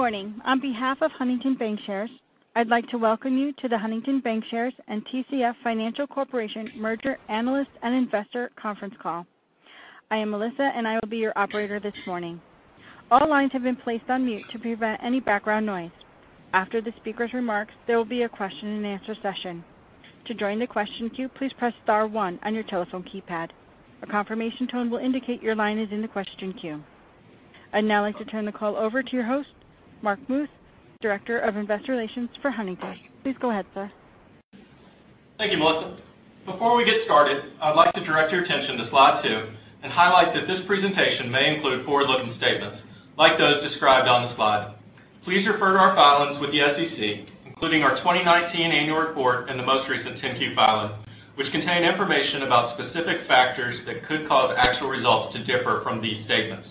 Good morning. On behalf of Huntington Bancshares, I'd like to welcome you to the Huntington Bancshares and TCF Financial Corporation merger analyst and investor conference call. I am Melissa, and I will be your operator this morning. All lines have been placed on mute to prevent any background noise. After the speaker's remarks, there will be a question and answer session. To join the question queue, please press star 1 on your telephone keypad. A confirmation tone will indicate your line is in the question queue. I'd now like to turn the call over to your host, Mark Muth, Director of Investor Relations for Huntington. Please go ahead, sir. Thank you, Melissa. Before we get started, I would like to direct your attention to slide two and highlight that this presentation may include forward-looking statements like those described on the slide. Please refer to our filings with the SEC, including our 2019 Annual Report and the most recent 10-Q filing, which contain information about specific factors that could cause actual results to differ from these statements.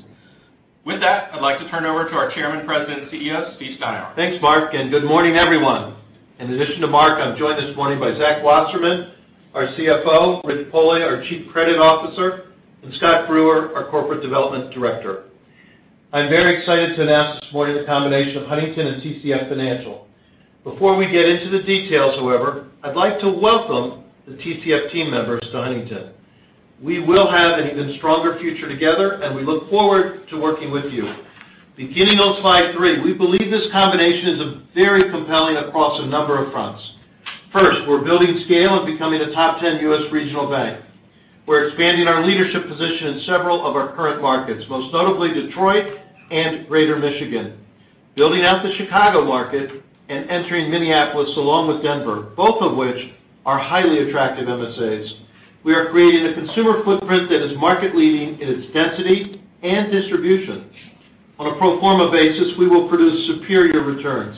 With that, I'd like to turn it over to our Chairman, President, and CEO, Steve Steinour. Thanks, Mark, good morning, everyone. In addition to Mark, I'm joined this morning by Zach Wasserman, our CFO, Rich Pohle, our Chief Credit Officer, and Scott Brewer, our Corporate Development Director. I'm very excited to announce this morning the combination of Huntington and TCF Financial. Before we get into the details, however, I'd like to welcome the TCF team members to Huntington. We will have an even stronger future together, and we look forward to working with you. Beginning on slide three, we believe this combination is very compelling across a number of fronts. First, we're building scale and becoming a top 10 U.S. regional bank. We're expanding our leadership position in several of our current markets, most notably Detroit and Greater Michigan, building out the Chicago market and entering Minneapolis along with Denver, both of which are highly attractive MSAs. We are creating a consumer footprint that is market-leading in its density and distribution. On a pro forma basis, we will produce superior returns.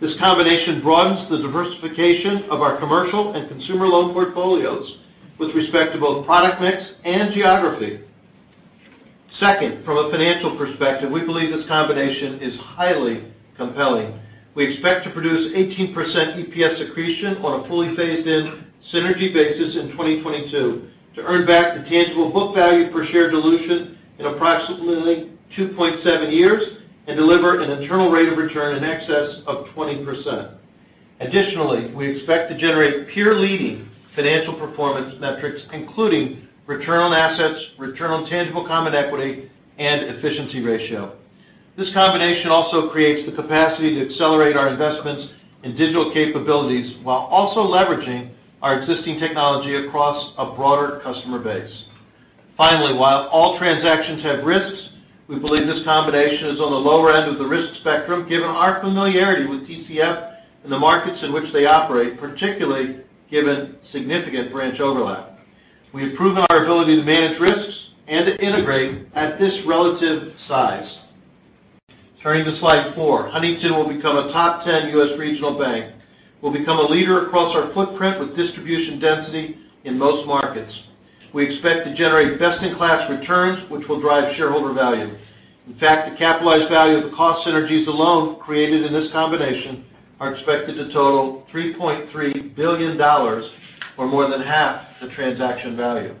This combination broadens the diversification of our commercial and consumer loan portfolios with respect to both product mix and geography. Second, from a financial perspective, we believe this combination is highly compelling. We expect to produce 18% EPS accretion on a fully phased-in synergy basis in 2022 to earn back the tangible book value per share dilution in approximately 2.7 years and deliver an internal rate of return in excess of 20%. Additionally, we expect to generate peer-leading financial performance metrics, including return on assets, return on tangible common equity, and efficiency ratio. This combination also creates the capacity to accelerate our investments in digital capabilities while also leveraging our existing technology across a broader customer base. Finally, while all transactions have risks, we believe this combination is on the lower end of the risk spectrum, given our familiarity with TCF and the markets in which they operate, particularly given significant branch overlap. We have proven our ability to manage risks and to integrate at this relative size. Turning to slide four, Huntington will become a top 10 U.S. regional bank. We'll become a leader across our footprint with distribution density in most markets. We expect to generate best-in-class returns, which will drive shareholder value. In fact, the capitalized value of the cost synergies alone created in this combination are expected to total $3.3 billion, or more than half the transaction value.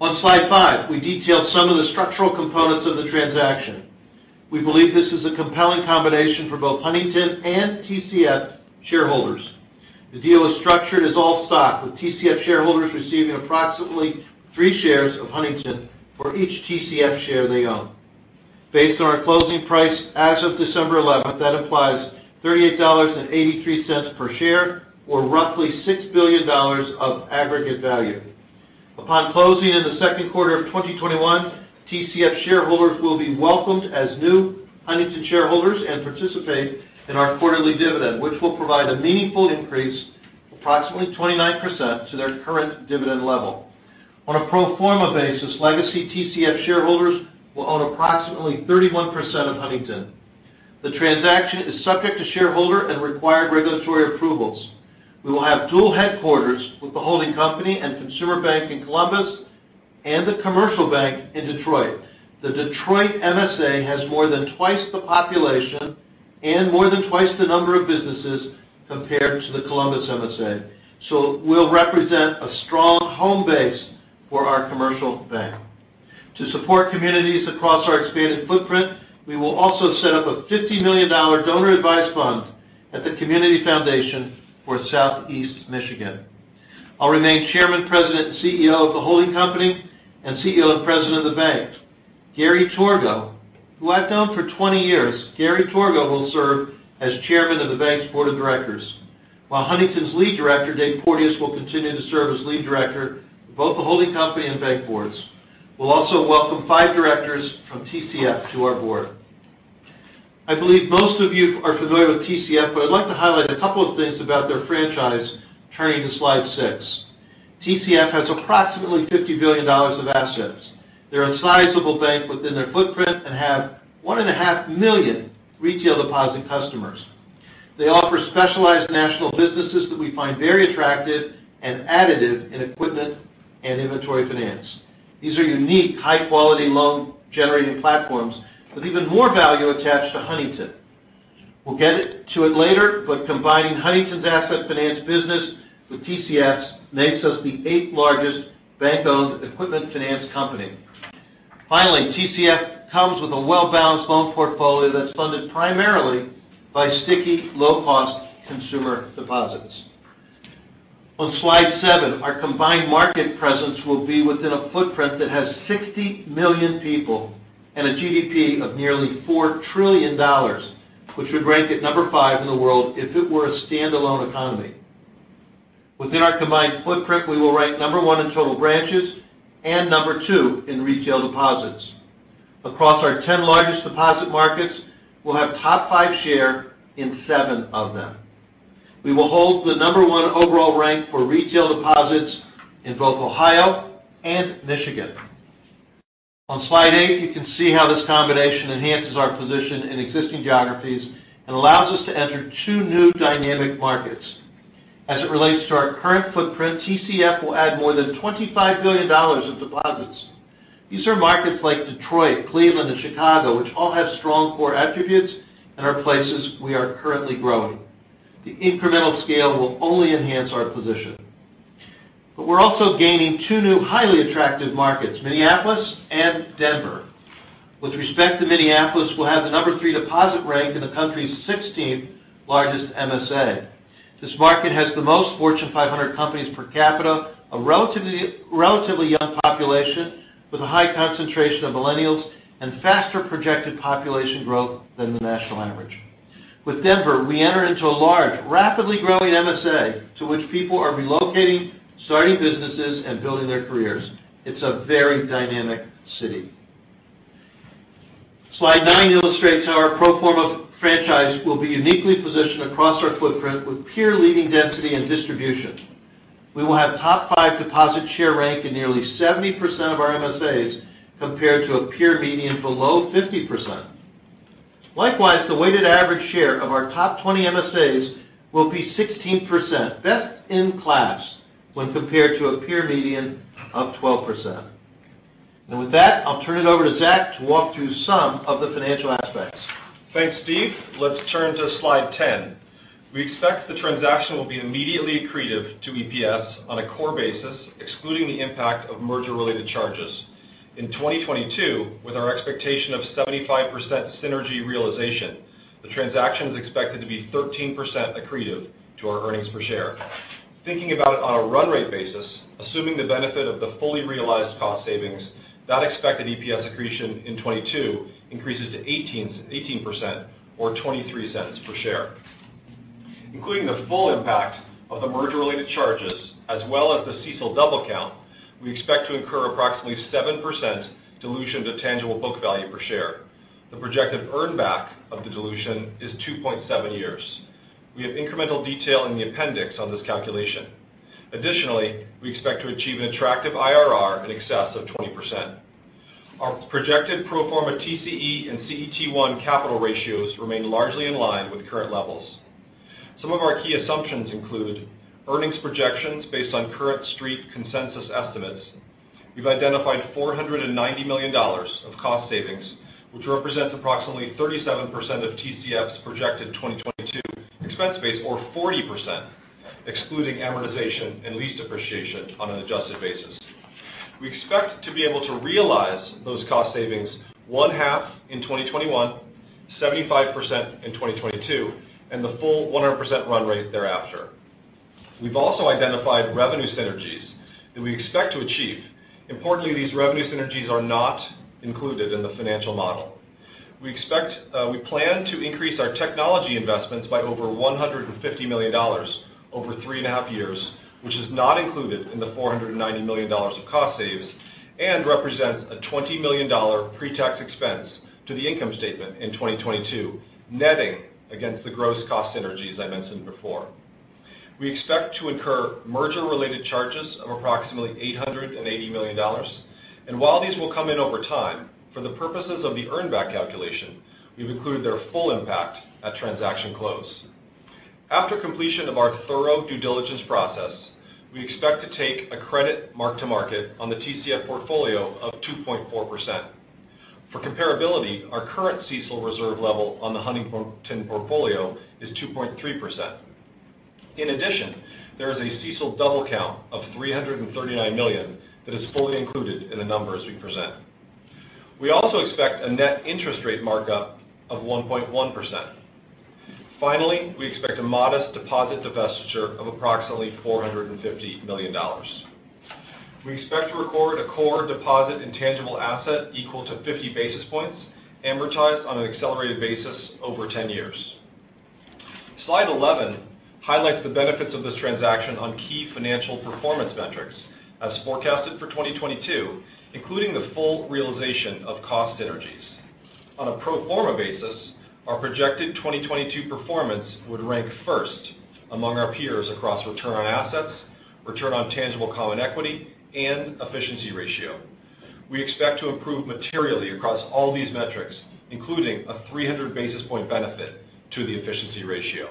On slide five, we detailed some of the structural components of the transaction. We believe this is a compelling combination for both Huntington and TCF shareholders. The deal is structured as all stock, with TCF shareholders receiving approximately three shares of Huntington for each TCF share they own. Based on our closing price as of December 11th, that implies $38.83 per share or roughly $6 billion of aggregate value. Upon closing in the second quarter of 2021, TCF shareholders will be welcomed as new Huntington shareholders and participate in our quarterly dividend, which will provide a meaningful increase, approximately 29%, to their current dividend level. On a pro forma basis, legacy TCF shareholders will own approximately 31% of Huntington. The transaction is subject to shareholder and required regulatory approvals. We will have dual headquarters with the holding company and consumer bank in Columbus and the commercial bank in Detroit. The Detroit MSA has more than twice the population and more than twice the number of businesses compared to the Columbus MSA, so we'll represent a strong home base for our commercial bank. To support communities across our expanded footprint, we will also set up a $50 million donor-advised fund at the Community Foundation for Southeast Michigan. I'll remain Chairman, President, and CEO of the holding company and CEO and President of the bank. Gary Torgow, who I've known for 20 years, will serve as Chairman of the bank's Board of Directors, while Huntington's Lead Director, David Porteous, will continue to serve as Lead Director of both the holding company and bank Boards. We'll also welcome five directors from TCF to our Board. I believe most of you are familiar with TCF, but I'd like to highlight a couple of things about their franchise, turning to slide six. TCF has approximately $50 billion of assets. They're a sizable bank within their footprint and have 1.5 million retail deposit customers. They offer specialized national businesses that we find very attractive and additive in equipment and inventory finance. These are unique, high-quality loan-generating platforms with even more value attached to Huntington. We'll get to it later, but combining Huntington's asset finance business with TCF's makes us the eighth largest bank-owned equipment finance company. Finally, TCF comes with a well-balanced loan portfolio that's funded primarily by sticky, low-cost consumer deposits. On slide seven, our combined market presence will be within a footprint that has 60 million people and a GDP of nearly $4 trillion, which would rank it number five in the world if it were a standalone economy. Within our combined footprint, we will rank number one in total branches and number two in retail deposits. Across our 10 largest deposit markets, we'll have top five share in seven of them. We will hold the number one overall rank for retail deposits in both Ohio and Michigan. On slide eight, you can see how this combination enhances our position in existing geographies and allows us to enter two new dynamic markets. As it relates to our current footprint, TCF will add more than $25 billion in deposits. These are markets like Detroit, Cleveland, and Chicago, which all have strong core attributes and are places we are currently growing. The incremental scale will only enhance our position. We're also gaining two new highly attractive markets, Minneapolis and Denver. With respect to Minneapolis, we'll have the number three deposit rank in the country's 16th largest MSA. This market has the most Fortune 500 companies per capita, a relatively young population with a high concentration of millennials, and faster projected population growth than the national average. With Denver, we enter into a large, rapidly growing MSA to which people are relocating, starting businesses, and building their careers. It's a very dynamic city. Slide nine illustrates how our pro forma franchise will be uniquely positioned across our footprint with peer-leading density and distribution. We will have top five deposit share rank in nearly 70% of our MSAs, compared to a peer median below 50%. Likewise, the weighted average share of our top 20 MSAs will be 16%, best in class when compared to a peer median of 12%. With that, I'll turn it over to Zach to walk through some of the financial aspects. Thanks, Steve. Let's turn to slide 10. We expect the transaction will be immediately accretive to EPS on a core basis, excluding the impact of merger-related charges. In 2022, with our expectation of 75% synergy realization, the transaction is expected to be 13% accretive to our earnings per share. Thinking about it on a run rate basis, assuming the benefit of the fully realized cost savings, that expected EPS accretion in 2022 increases to 18% or $0.23 per share. Including the full impact of the merger-related charges as well as the CECL double count, we expect to incur approximately 7% dilution to tangible book value per share. The projected earn back of the dilution is 2.7 years. We have incremental detail in the appendix on this calculation. Additionally, we expect to achieve an attractive IRR in excess of 20%. Our projected pro forma TCE and CET1 capital ratios remain largely in line with current levels. Some of our key assumptions include earnings projections based on current Street consensus estimates. We've identified $490 million of cost savings, which represents approximately 37% of TCF's projected 2022 expense base, or 40% excluding amortization and lease depreciation on an adjusted basis. We expect to be able to realize those cost savings one-half in 2021, 75% in 2022, and the full 100% run rate thereafter. We've also identified revenue synergies that we expect to achieve. Importantly, these revenue synergies are not included in the financial model. We plan to increase our technology investments by over $150 million over three and a half years, which is not included in the $490 million of cost saves and represents a $20 million pre-tax expense to the income statement in 2022, netting against the gross cost synergies I mentioned before. While these will come in over time, for the purposes of the earn back calculation, we've included their full impact at transaction close. After completion of our thorough due diligence process, we expect to take a credit mark-to-market on the TCF portfolio of 2.4%. For comparability, our current CECL reserve level on the Huntington portfolio is 2.3%. In addition, there is a CECL double count of $339 million that is fully included in the numbers we present. We also expect a net interest rate markup of 1.1%. We expect a modest deposit divestiture of approximately $450 million. We expect to record a core deposit intangible asset equal to 50 basis points, amortized on an accelerated basis over 10 years. Slide 11 highlights the benefits of this transaction on key financial performance metrics as forecasted for 2022, including the full realization of cost synergies. On a pro forma basis, our projected 2022 performance would rank first among our peers across return on assets, return on tangible common equity, and efficiency ratio. We expect to improve materially across all these metrics, including a 300 basis point benefit to the efficiency ratio.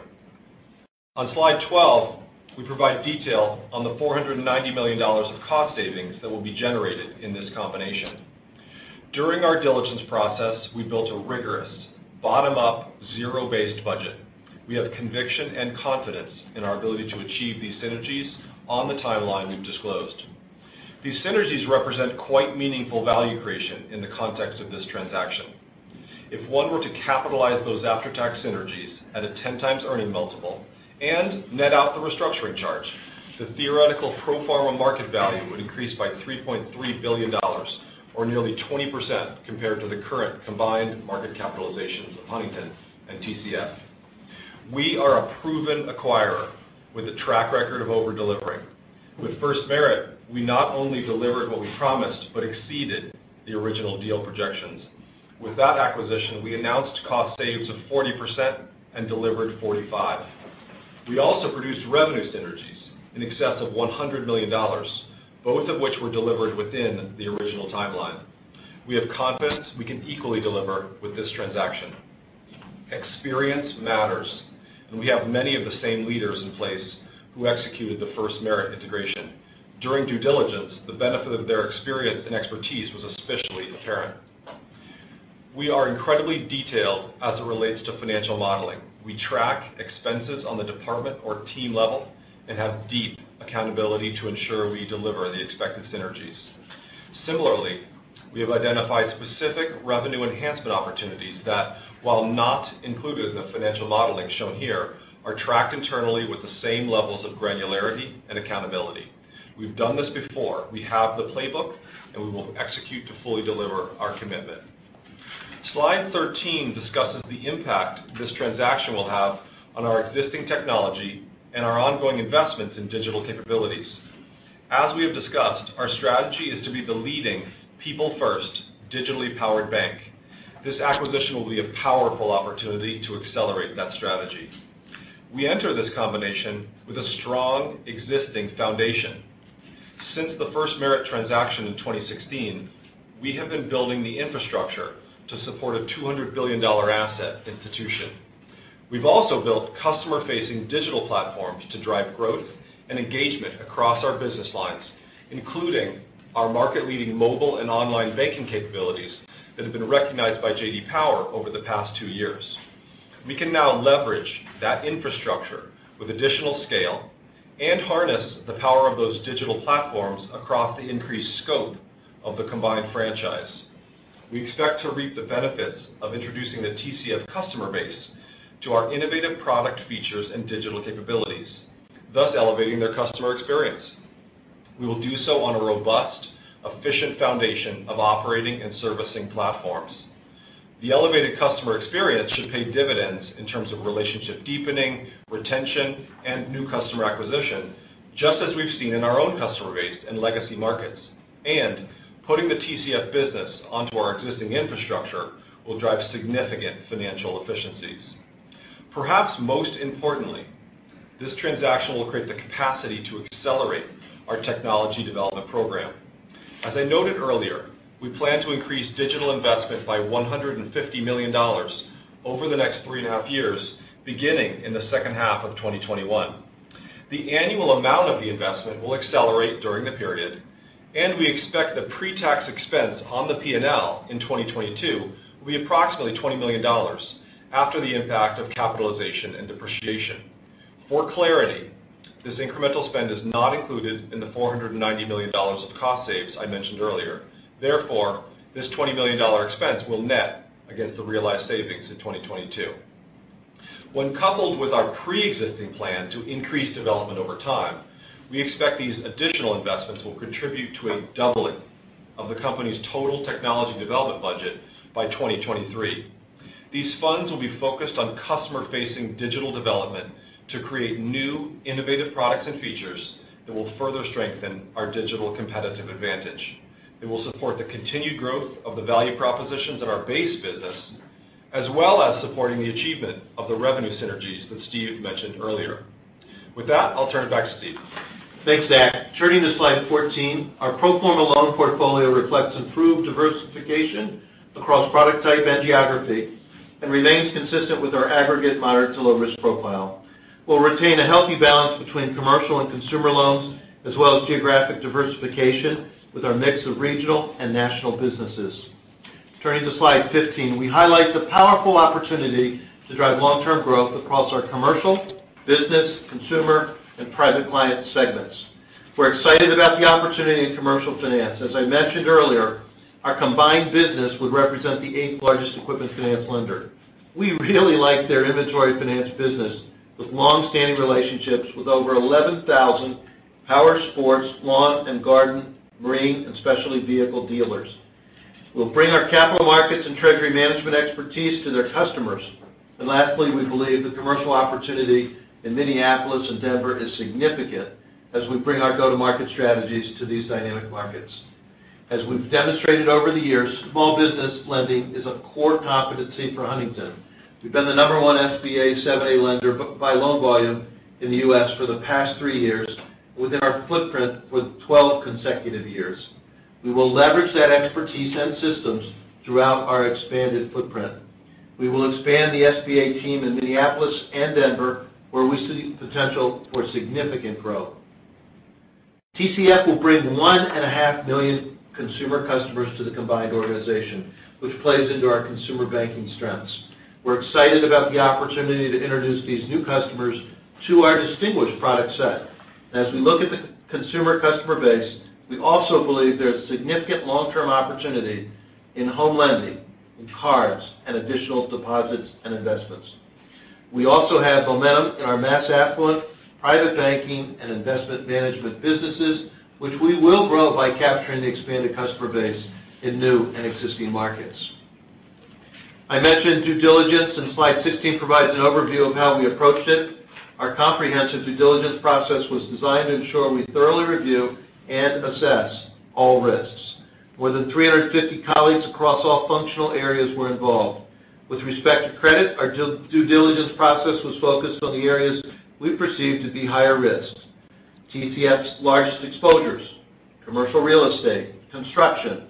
On slide 12, we provide detail on the $490 million of cost savings that will be generated in this combination. During our diligence process, we built a rigorous bottom-up, zero-based budget. We have conviction and confidence in our ability to achieve these synergies on the timeline we've disclosed. These synergies represent quite meaningful value creation in the context of this transaction. If one were to capitalize those after-tax synergies at a 10x earning multiple and net out the restructuring charge, the theoretical pro forma market value would increase by $3.3 billion or nearly 20% compared to the current combined market capitalizations of Huntington and TCF. We are a proven acquirer with a track record of over-delivering. With FirstMerit, we not only delivered what we promised, but exceeded the original deal projections. With that acquisition, we announced cost saves of 40% and delivered 45%. We also produced revenue synergies in excess of $100 million, both of which were delivered within the original timeline. We have confidence we can equally deliver with this transaction. Experience matters. We have many of the same leaders in place who executed the FirstMerit integration. During due diligence, the benefit of their experience and expertise was especially apparent. We are incredibly detailed as it relates to financial modeling. We track expenses on the department or team level and have deep accountability to ensure we deliver the expected synergies. Similarly, we have identified specific revenue enhancement opportunities that, while not included in the financial modeling shown here, are tracked internally with the same levels of granularity and accountability. We've done this before. We have the playbook, and we will execute to fully deliver our commitment. Slide 13 discusses the impact this transaction will have on our existing technology and our ongoing investments in digital capabilities. As we have discussed, our strategy is to be the leading people first digitally powered bank. This acquisition will be a powerful opportunity to accelerate that strategy. We enter this combination with a strong existing foundation. Since the FirstMerit transaction in 2016, we have been building the infrastructure to support a $200 billion asset institution. We've also built customer-facing digital platforms to drive growth and engagement across our business lines, including our market-leading mobile and online banking capabilities that have been recognized by J.D. Power over the past two years. We can now leverage that infrastructure with additional scale and harness the power of those digital platforms across the increased scope of the combined franchise. We expect to reap the benefits of introducing the TCF customer base to our innovative product features and digital capabilities, thus elevating their customer experience. We will do so on a robust, efficient foundation of operating and servicing platforms. The elevated customer experience should pay dividends in terms of relationship deepening, retention, and new customer acquisition, just as we've seen in our own customer base and legacy markets. Putting the TCF business onto our existing infrastructure will drive significant financial efficiencies. Perhaps most importantly, this transaction will create the capacity to accelerate our technology development program. As I noted earlier, we plan to increase digital investment by $150 million over the next 3.5 years, beginning in the second half of 2021. The annual amount of the investment will accelerate during the period, and we expect the pre-tax expense on the P&L in 2022 will be approximately $20 million after the impact of capitalization and depreciation. For clarity, this incremental spend is not included in the $490 million of cost saves I mentioned earlier. Therefore, this $20 million expense will net against the realized savings in 2022. When coupled with our preexisting plan to increase development over time, we expect these additional investments will contribute to a doubling of the company's total technology development budget by 2023. These funds will be focused on customer-facing digital development to create new, innovative products and features that will further strengthen our digital competitive advantage. It will support the continued growth of the value propositions in our base business, as well as supporting the achievement of the revenue synergies that Steve mentioned earlier. With that, I'll turn it back to Steve. Thanks, Zach. Turning to slide 14, our pro forma loan portfolio reflects improved diversification across product type and geography and remains consistent with our aggregate moderate to low risk profile. We'll retain a healthy balance between commercial and consumer loans, as well as geographic diversification with our mix of regional and national businesses. Turning to slide 15, we highlight the powerful opportunity to drive long-term growth across our commercial, business, consumer, and private client segments. We're excited about the opportunity in commercial finance. As I mentioned earlier, our combined business would represent the eighth-largest equipment finance lender. We really like their inventory finance business with longstanding relationships with over 11,000 power sports, lawn and garden, marine, and specialty vehicle dealers. We'll bring our capital markets and treasury management expertise to their customers. Lastly, we believe the commercial opportunity in Minneapolis and Denver is significant as we bring our go-to-market strategies to these dynamic markets. As we've demonstrated over the years, small business lending is a core competency for Huntington. We've been the number one SBA 7(a) lender by loan volume in the U.S. for the past three years, within our footprint for 12 consecutive years. We will leverage that expertise and systems throughout our expanded footprint. We will expand the SBA team in Minneapolis and Denver, where we see potential for significant growth. TCF will bring 1.5 million consumer customers to the combined organization, which plays into our consumer banking strengths. We're excited about the opportunity to introduce these new customers to our distinguished product set. As we look at the consumer customer base, we also believe there's significant long-term opportunity in home lending, in cards, and additional deposits and investments. We also have momentum in our mass affluent private banking and investment management businesses, which we will grow by capturing the expanded customer base in new and existing markets. I mentioned due diligence. Slide 16 provides an overview of how we approached it. Our comprehensive due diligence process was designed to ensure we thoroughly review and assess all risks. More than 350 colleagues across all functional areas were involved. With respect to credit, our due diligence process was focused on the areas we perceive to be higher risk. TCF's largest exposures, commercial real estate, construction,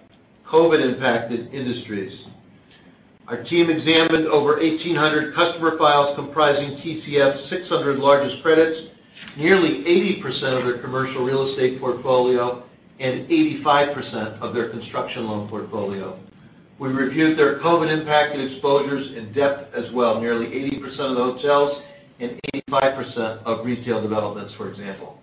COVID-impacted industries. Our team examined over 1,800 customer files comprising TCF's 600 largest credits, nearly 80% of their commercial real estate portfolio, and 85% of their construction loan portfolio. We reviewed their COVID-impacted exposures in depth as well, nearly 80% of the hotels and 85% of retail developments, for example.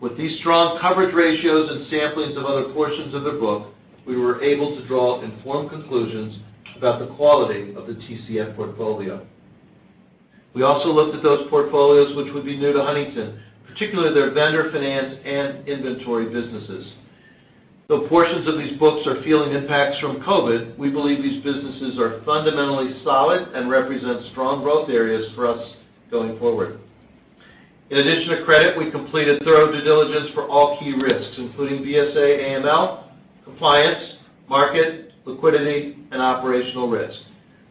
With these strong coverage ratios and samplings of other portions of their book, we were able to draw informed conclusions about the quality of the TCF portfolio. We also looked at those portfolios which would be new to Huntington, particularly their vendor finance and inventory businesses. Though portions of these books are feeling impacts from COVID, we believe these businesses are fundamentally solid and represent strong growth areas for us going forward. In addition to credit, we completed thorough due diligence for all key risks, including BSA, AML, compliance, market, liquidity, and operational risk.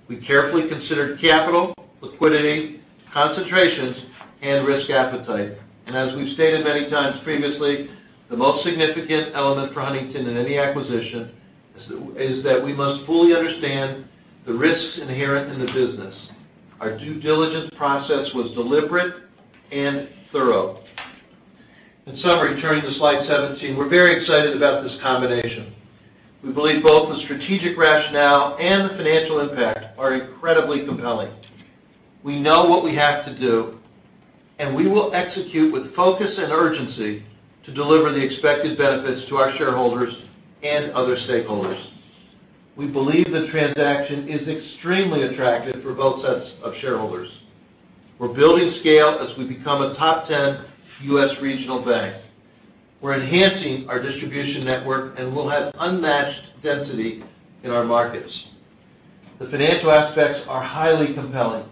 We carefully considered capital, liquidity, concentrations, and risk appetite. As we have stated many times previously, the most significant element for Huntington in any acquisition is that we must fully understand the risks inherent in the business. Our due diligence process was deliberate and thorough. In summary, turning to slide 17, we are very excited about this combination. We believe both the strategic rationale and the financial impact are incredibly compelling. We know what we have to do, and we will execute with focus and urgency to deliver the expected benefits to our shareholders and other stakeholders. We believe the transaction is extremely attractive for both sets of shareholders. We are building scale as we become a top 10 U.S. regional bank. We are enhancing our distribution network and will have unmatched density in our markets. The financial aspects are highly compelling,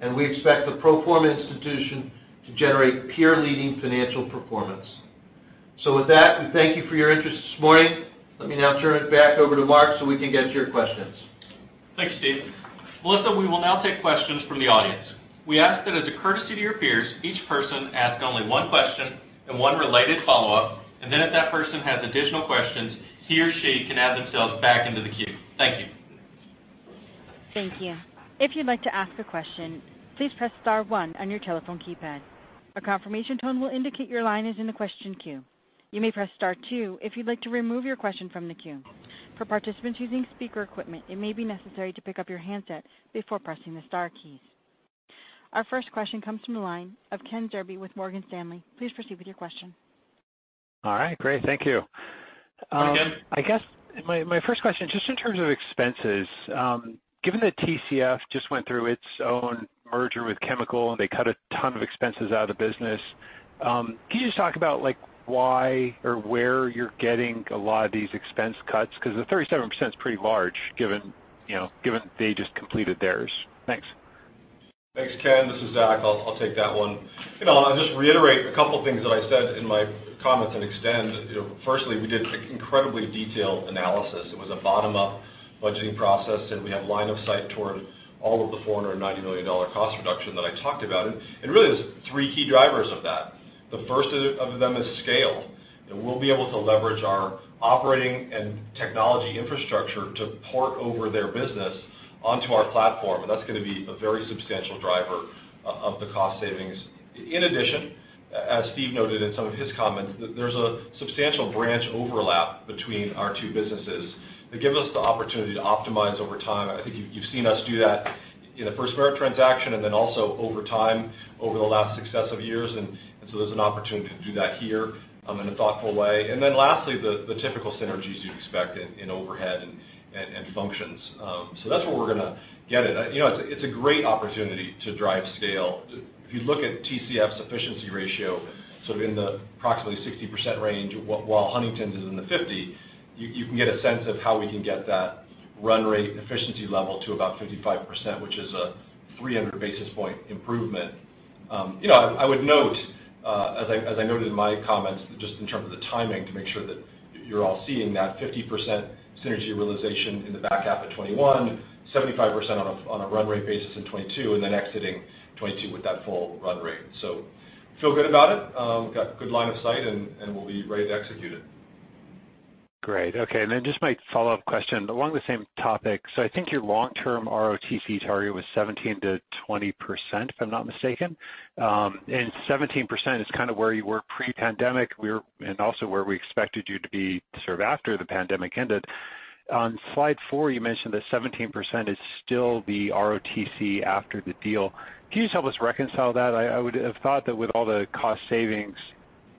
and we expect the pro forma institution to generate peer-leading financial performance. With that, we thank you for your interest this morning. Let me now turn it back over to Mark so we can get to your questions. Thanks, Steve. Melissa, we will now take questions from the audience. We ask that as a courtesy to your peers, each person ask only one question and one related follow-up. If that person has additional questions, he or she can add themselves back into the queue. Thank you. Thank you. If you'd like to ask a question, please press star one on your telephone keypad. A confirmation tone will indicate your line is in the question queue. You may press star two if you'd like to remove your question from the queue. For participants using speaker equipment, it may be necessary to pick up your handset before pressing the star keys. Our first question comes from the line of Kenneth Zerbe with Morgan Stanley. Please proceed with your question. All right. Great. Thank you. Hi, Ken. I guess my first question, just in terms of expenses, given that TCF just went through its own merger with Chemical and they cut a ton of expenses out of the business, can you just talk about why or where you're getting a lot of these expense cuts? The 37% is pretty large, given they just completed theirs. Thanks. Thanks, Ken. This is Zach. I'll take that one. I'll just reiterate a couple things that I said in my comments and extend. Firstly, we did an incredibly detailed analysis. It was a bottom-up budgeting process, and we have line of sight toward all of the $490 million cost reduction that I talked about, and really there's three key drivers of that. The first of them is scale. We'll be able to leverage our operating and technology infrastructure to port over their business onto our platform, and that's going to be a very substantial driver of the cost savings. In addition, as Steve noted in some of his comments, there's a substantial branch overlap between our two businesses that gives us the opportunity to optimize over time. I think you've seen us do that in the FirstMerit transaction and then also over time over the last successive years, and so there's an opportunity to do that here in a thoughtful way. Lastly, the typical synergies you'd expect in overhead and functions. That's where we're going to get it. It's a great opportunity to drive scale. If you look at TCF's efficiency ratio, sort of in the approximately 60% range, while Huntington's is in the 50%, you can get a sense of how we can get that run rate efficiency level to about 55%, which is a 300 basis point improvement. I would note, as I noted in my comments, just in terms of the timing to make sure that you're all seeing that 50% synergy realization in the back half of 2021, 75% on a run rate basis in 2022, and then exiting 2022 with that full run rate. Feel good about it. We've got good line of sight, and we'll be ready to execute it. Great. Okay, then just my follow-up question, along the same topic. I think your long-term ROTCE target was 17%-20%, if I'm not mistaken. 17% is kind of where you were pre-pandemic, also where we expected you to be sort of after the pandemic ended. On slide four, you mentioned that 17% is still the ROTCE after the deal. Can you just help us reconcile that? I would have thought that with all the cost savings,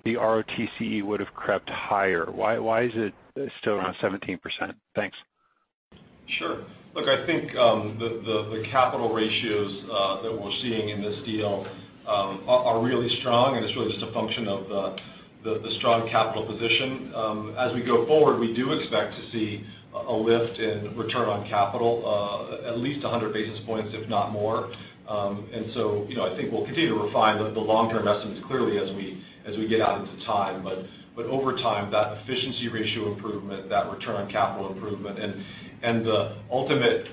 the ROTCE would've crept higher. Why is it still around 17%? Thanks. Sure. Look, I think the capital ratios that we're seeing in this deal are really strong, and it's really just a function of the strong capital position. As we go forward, we do expect to see a lift in return on capital of at least 100 basis points, if not more. I think we'll continue to refine the long-term estimates clearly as we get out into time. Over time, that efficiency ratio improvement, that return on capital improvement, and the ultimate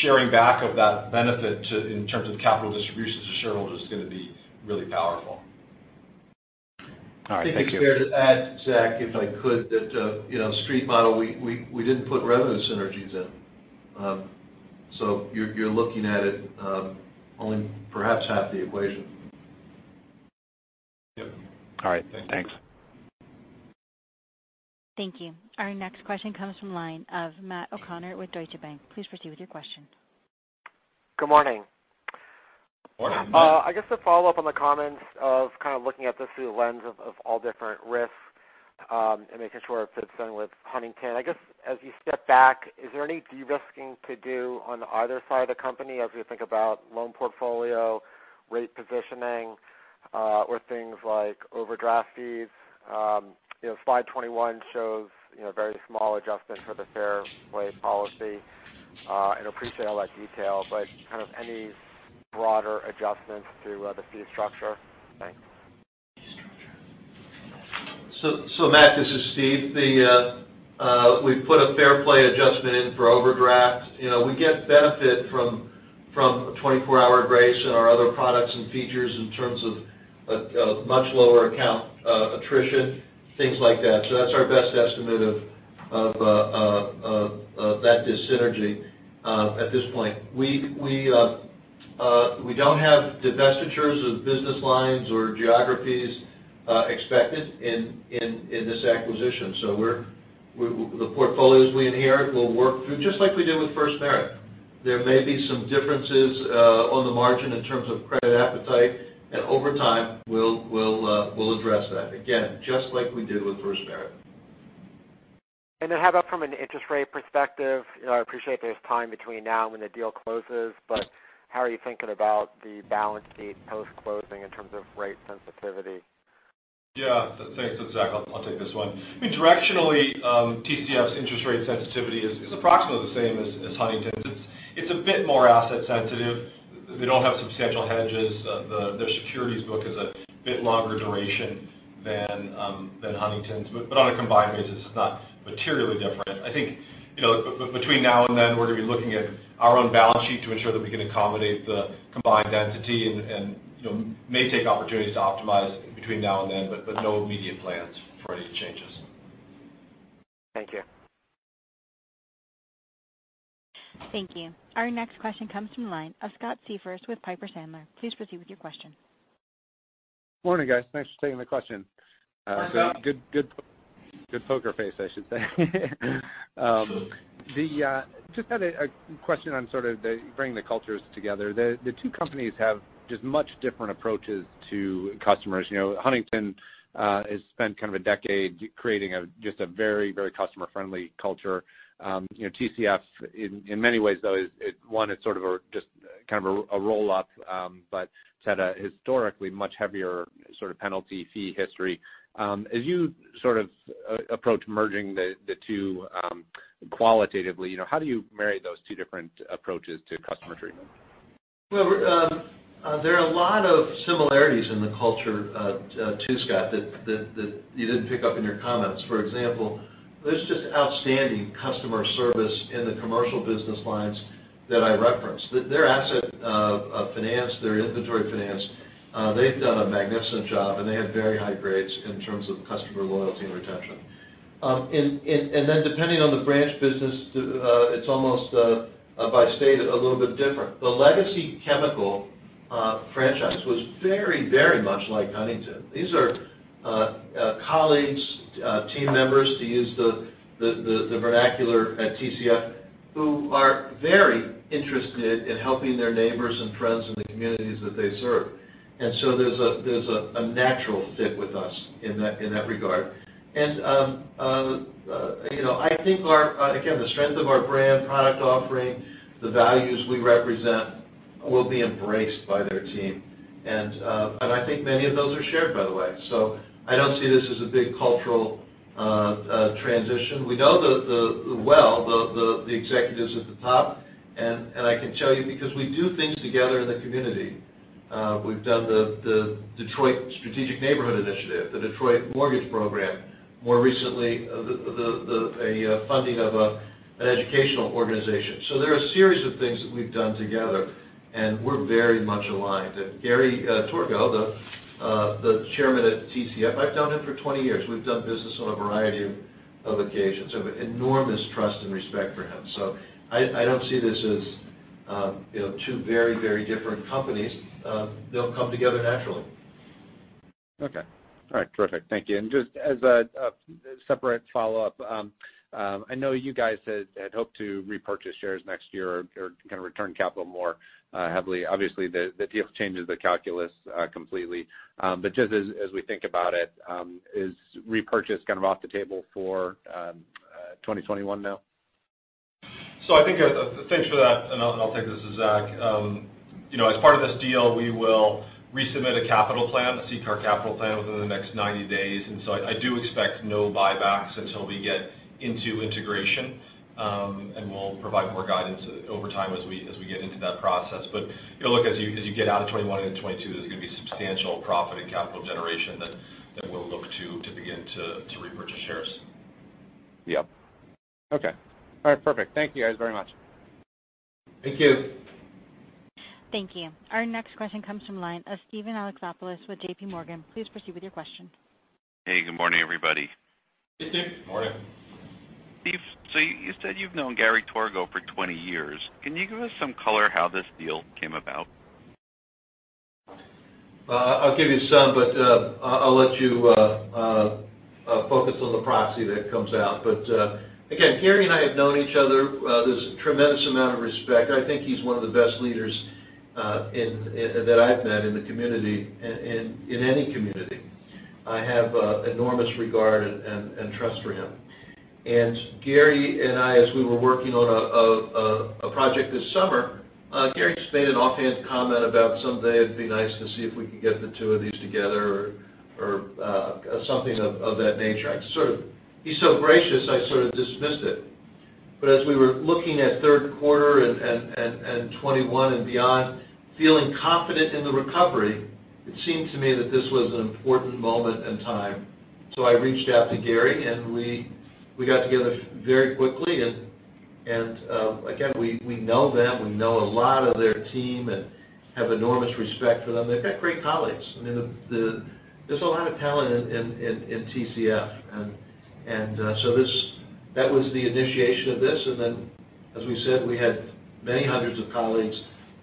sharing back of that benefit in terms of capital distributions to shareholders is going to be really powerful. All right, thank you. I think it's fair to add, Zach, if I could, that street model, we didn't put revenue synergies in. You're looking at it only perhaps half the equation. Yep. All right. Thanks. Thank you. Our next question comes from the line of Matt O'Connor with Deutsche Bank. Please proceed with your question. Good morning. Morning. I guess to follow up on the comments of kind of looking at this through the lens of all different risks, and making sure it fits in with Huntington. I guess, as you step back, is there any de-risking to do on either side of the company as we think about loan portfolio, rate positioning, or things like overdraft fees? Slide 21 shows very small adjustment for the Fair Play policy, and I appreciate all that detail, but kind of any broader adjustments to the fee structure? Thanks. Matt, this is Steve. We put a Fair Play adjustment in for overdraft. We get benefit from a 24-Hour Grace in our other products and features in terms of a much lower account attrition, things like that. That's our best estimate of that dis-synergy at this point. We don't have divestitures of business lines or geographies expected in this acquisition. The portfolios we inherit we'll work through, just like we did with FirstMerit. There may be some differences on the margin in terms of credit appetite, and over time, we'll address that. Again, just like we did with FirstMerit. How about from an interest rate perspective? I appreciate there's time between now and when the deal closes, but how are you thinking about the balance sheet post-closing in terms of rate sensitivity? Yeah. Thanks. Zach, I'll take this one. Directionally, TCF's interest rate sensitivity is approximately the same as Huntington's. It's a bit more asset sensitive. They don't have substantial hedges. Their securities book is a bit longer duration than Huntington's. On a combined basis, it's not materially different. I think, between now and then, we're going to be looking at our own balance sheet to ensure that we can accommodate the combined entity, and may take opportunities to optimize between now and then, but no immediate plans for any changes. Thank you. Thank you. Our next question comes from the line of Scott Siefers with Piper Sandler. Please proceed with your question. Morning, guys. Thanks for taking the question. Hi, Scott. Good poker face, I should say. Just had a question on sort of the bringing the cultures together. The two companies have just much different approaches to customers. Huntington has spent kind of a decade creating just a very customer-friendly culture. TCF, in many ways, though, one, it's sort of just kind of a roll-up, but it's had a historically much heavier sort of penalty fee history. As you sort of approach merging the two qualitatively, how do you marry those two different approaches to customer treatment? There are a lot of similarities in the culture, too, Scott, that you didn't pick up in your comments. For example, there's just outstanding customer service in the commercial business lines that I referenced. Their asset of finance, their inventory finance, they've done a magnificent job, and they have very high grades in terms of customer loyalty and retention. Depending on the branch business, it's almost by state a little bit different. The legacy Chemical franchise was very much like Huntington. These are colleagues, team members, to use the vernacular at TCF, who are very interested in helping their neighbors and friends in the communities that they serve. There's a natural fit with us in that regard. I think, again, the strength of our brand, product offering, the values we represent will be embraced by their team. I think many of those are shared, by the way. I don't see this as a big cultural transition. We know the well, the executives at the top. I can tell you because we do things together in the community. We've done the Detroit Strategic Neighborhood Initiative, the Detroit mortgage program. More recently, a funding of an educational organization. There are a series of things that we've done together, and we're very much aligned. Gary Torgow, the chairman at TCF, I've known him for 20 years. We've done business on a variety of occasions, so enormous trust and respect for him. I don't see this as two very different companies. They'll come together naturally. Okay. All right, terrific. Thank you. Just as a separate follow-up, I know you guys had hoped to repurchase shares next year or kind of return capital more heavily. Obviously, the deal changes the calculus completely. Just as we think about it, is repurchase kind of off the table for 2021 now? I think, thanks for that, and I'll take this as Zach. As part of this deal, we will resubmit a capital plan, a CCAR capital plan within the next 90 days. I do expect no buybacks until we get into integration, and we'll provide more guidance over time as we get into that process. Look, as you get out of 2021 into 2022, there's going to be substantial profit and capital generation that we'll look to begin to repurchase shares. Yep. Okay. All right, perfect. Thank you guys very much. Thank you. Thank you. Our next question comes from line of Steven Alexopoulos with JPMorgan. Please proceed with your question. Hey, good morning, everybody. Hey, Steve. Morning. Steve, you said you've known Gary Torgow for 20 years. Can you give us some color how this deal came about? I'll give you some, but I'll let you focus on the proxy that comes out. Again, Gary and I have known each other. There's a tremendous amount of respect. I think he's one of the best leaders that I've met in the community, in any community. I have enormous regard and trust for him. Gary and I, as we were working on a project this summer, Gary just made an offhand comment about someday it'd be nice to see if we could get the two of these together or something of that nature. He's so gracious, I sort of dismissed it. As we were looking at third quarter and 2021 and beyond, feeling confident in the recovery, it seemed to me that this was an important moment in time. I reached out to Gary, and we got together very quickly. Again, we know them. We know a lot of their team and have enormous respect for them. They've got great colleagues. I mean, there's a lot of talent in TCF. That was the initiation of this. As we said, we had many hundreds of colleagues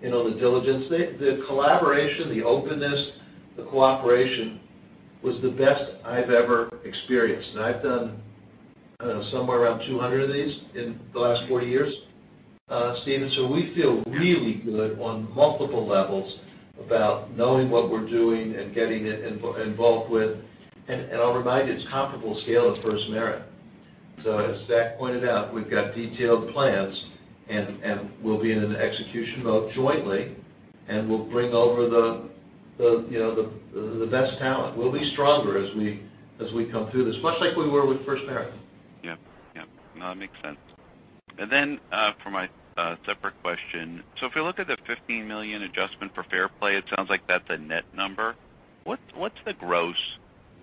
in on the diligence. The collaboration, the openness, the cooperation was the best I've ever experienced. I've done somewhere around 200 of these in the last 40 years, Steven. We feel really good on multiple levels about knowing what we're doing and getting involved with. I'll remind you, it's comparable scale of FirstMerit. As Zach pointed out, we've got detailed plans, and we'll be in an execution mode jointly, and we'll bring over the best talent. We'll be stronger as we come through this, much like we were with FirstMerit. Yeah. No, that makes sense. For my separate question, if we look at the $15 million adjustment for Fair Play, it sounds like that's a net number. What's the gross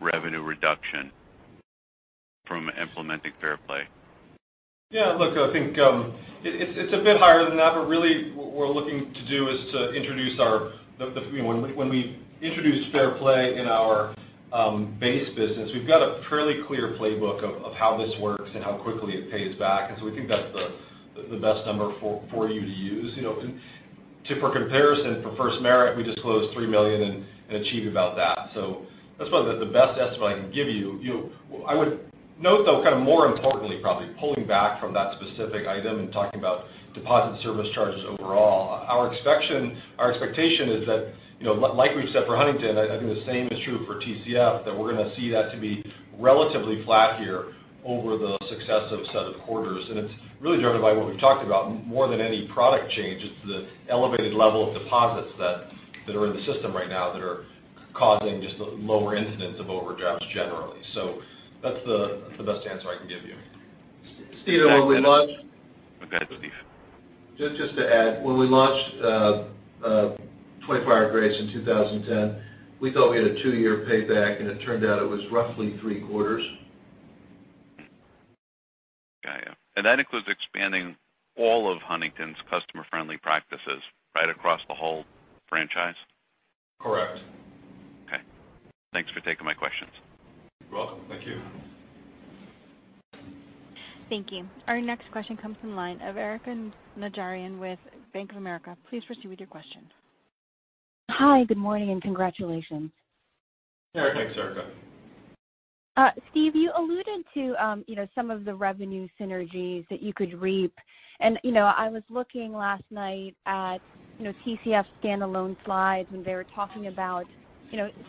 revenue reduction from implementing Fair Play? Look, I think it's a bit higher than that. Really what we're looking to do is, when we introduced Fair Play in our base business, we've got a fairly clear playbook of how this works and how quickly it pays back. We think that's the best number for you to use. For comparison, for FirstMerit, we disclosed $3 million and achieve about that. That's probably the best estimate I can give you. I would note, though, kind of more importantly, probably pulling back from that specific item and talking about deposit service charges overall, our expectation is that, like we've said for Huntington, I think the same is true for TCF, that we're going to see that to be relatively flat here over the successive set of quarters. It's really driven by what we've talked about more than any product change. It's the elevated level of deposits that are in the system right now that are causing just the lower incidence of overdrafts generally. That's the best answer I can give you. Go ahead, Steve. Just to add, when we launched 24-Hour Grace in 2010, we thought we had a two-year payback, and it turned out it was roughly 3/4. Got you. That includes expanding all of Huntington's customer-friendly practices right across the whole franchise? Correct. Okay. Thanks for taking my questions. You're welcome. Thank you. Thank you. Our next question comes from line of Erika Najarian with Bank of America. Please proceed with your question. Hi, good morning, and congratulations. Hey, thanks, Erika. Steve, you alluded to some of the revenue synergies that you could reap. I was looking last night at TCF standalone slides, and they were talking about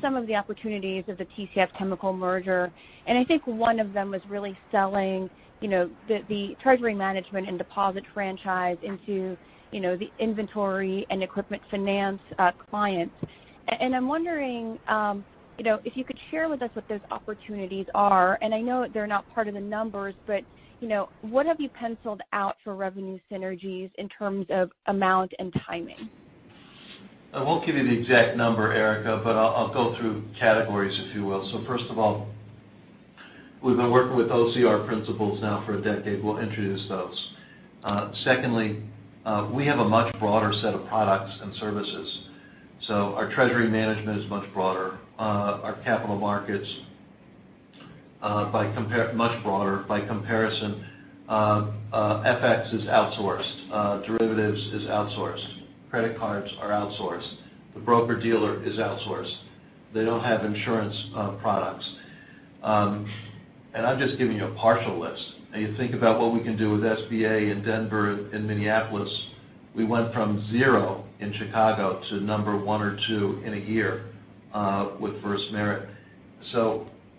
some of the opportunities of the TCF Chemical merger. I think one of them was really selling the treasury management and deposit franchise into the inventory and equipment finance clients. I'm wondering if you could share with us what those opportunities are. I know they're not part of the numbers, but what have you penciled out for revenue synergies in terms of amount and timing? I won't give you the exact number, Erika, but I'll go through categories, if you will. First of all, we've been working with OCC principles now for a decade. We'll introduce those. Secondly, we have a much broader set of products and services. Our treasury management is much broader. Our capital markets, much broader by comparison. FX is outsourced. Derivatives is outsourced. Credit cards are outsourced. The broker-dealer is outsourced. They don't have insurance products. I'm just giving you a partial list. You think about what we can do with SBA in Denver and Minneapolis. We went from zero in Chicago to number one or two in a year with FirstMerit.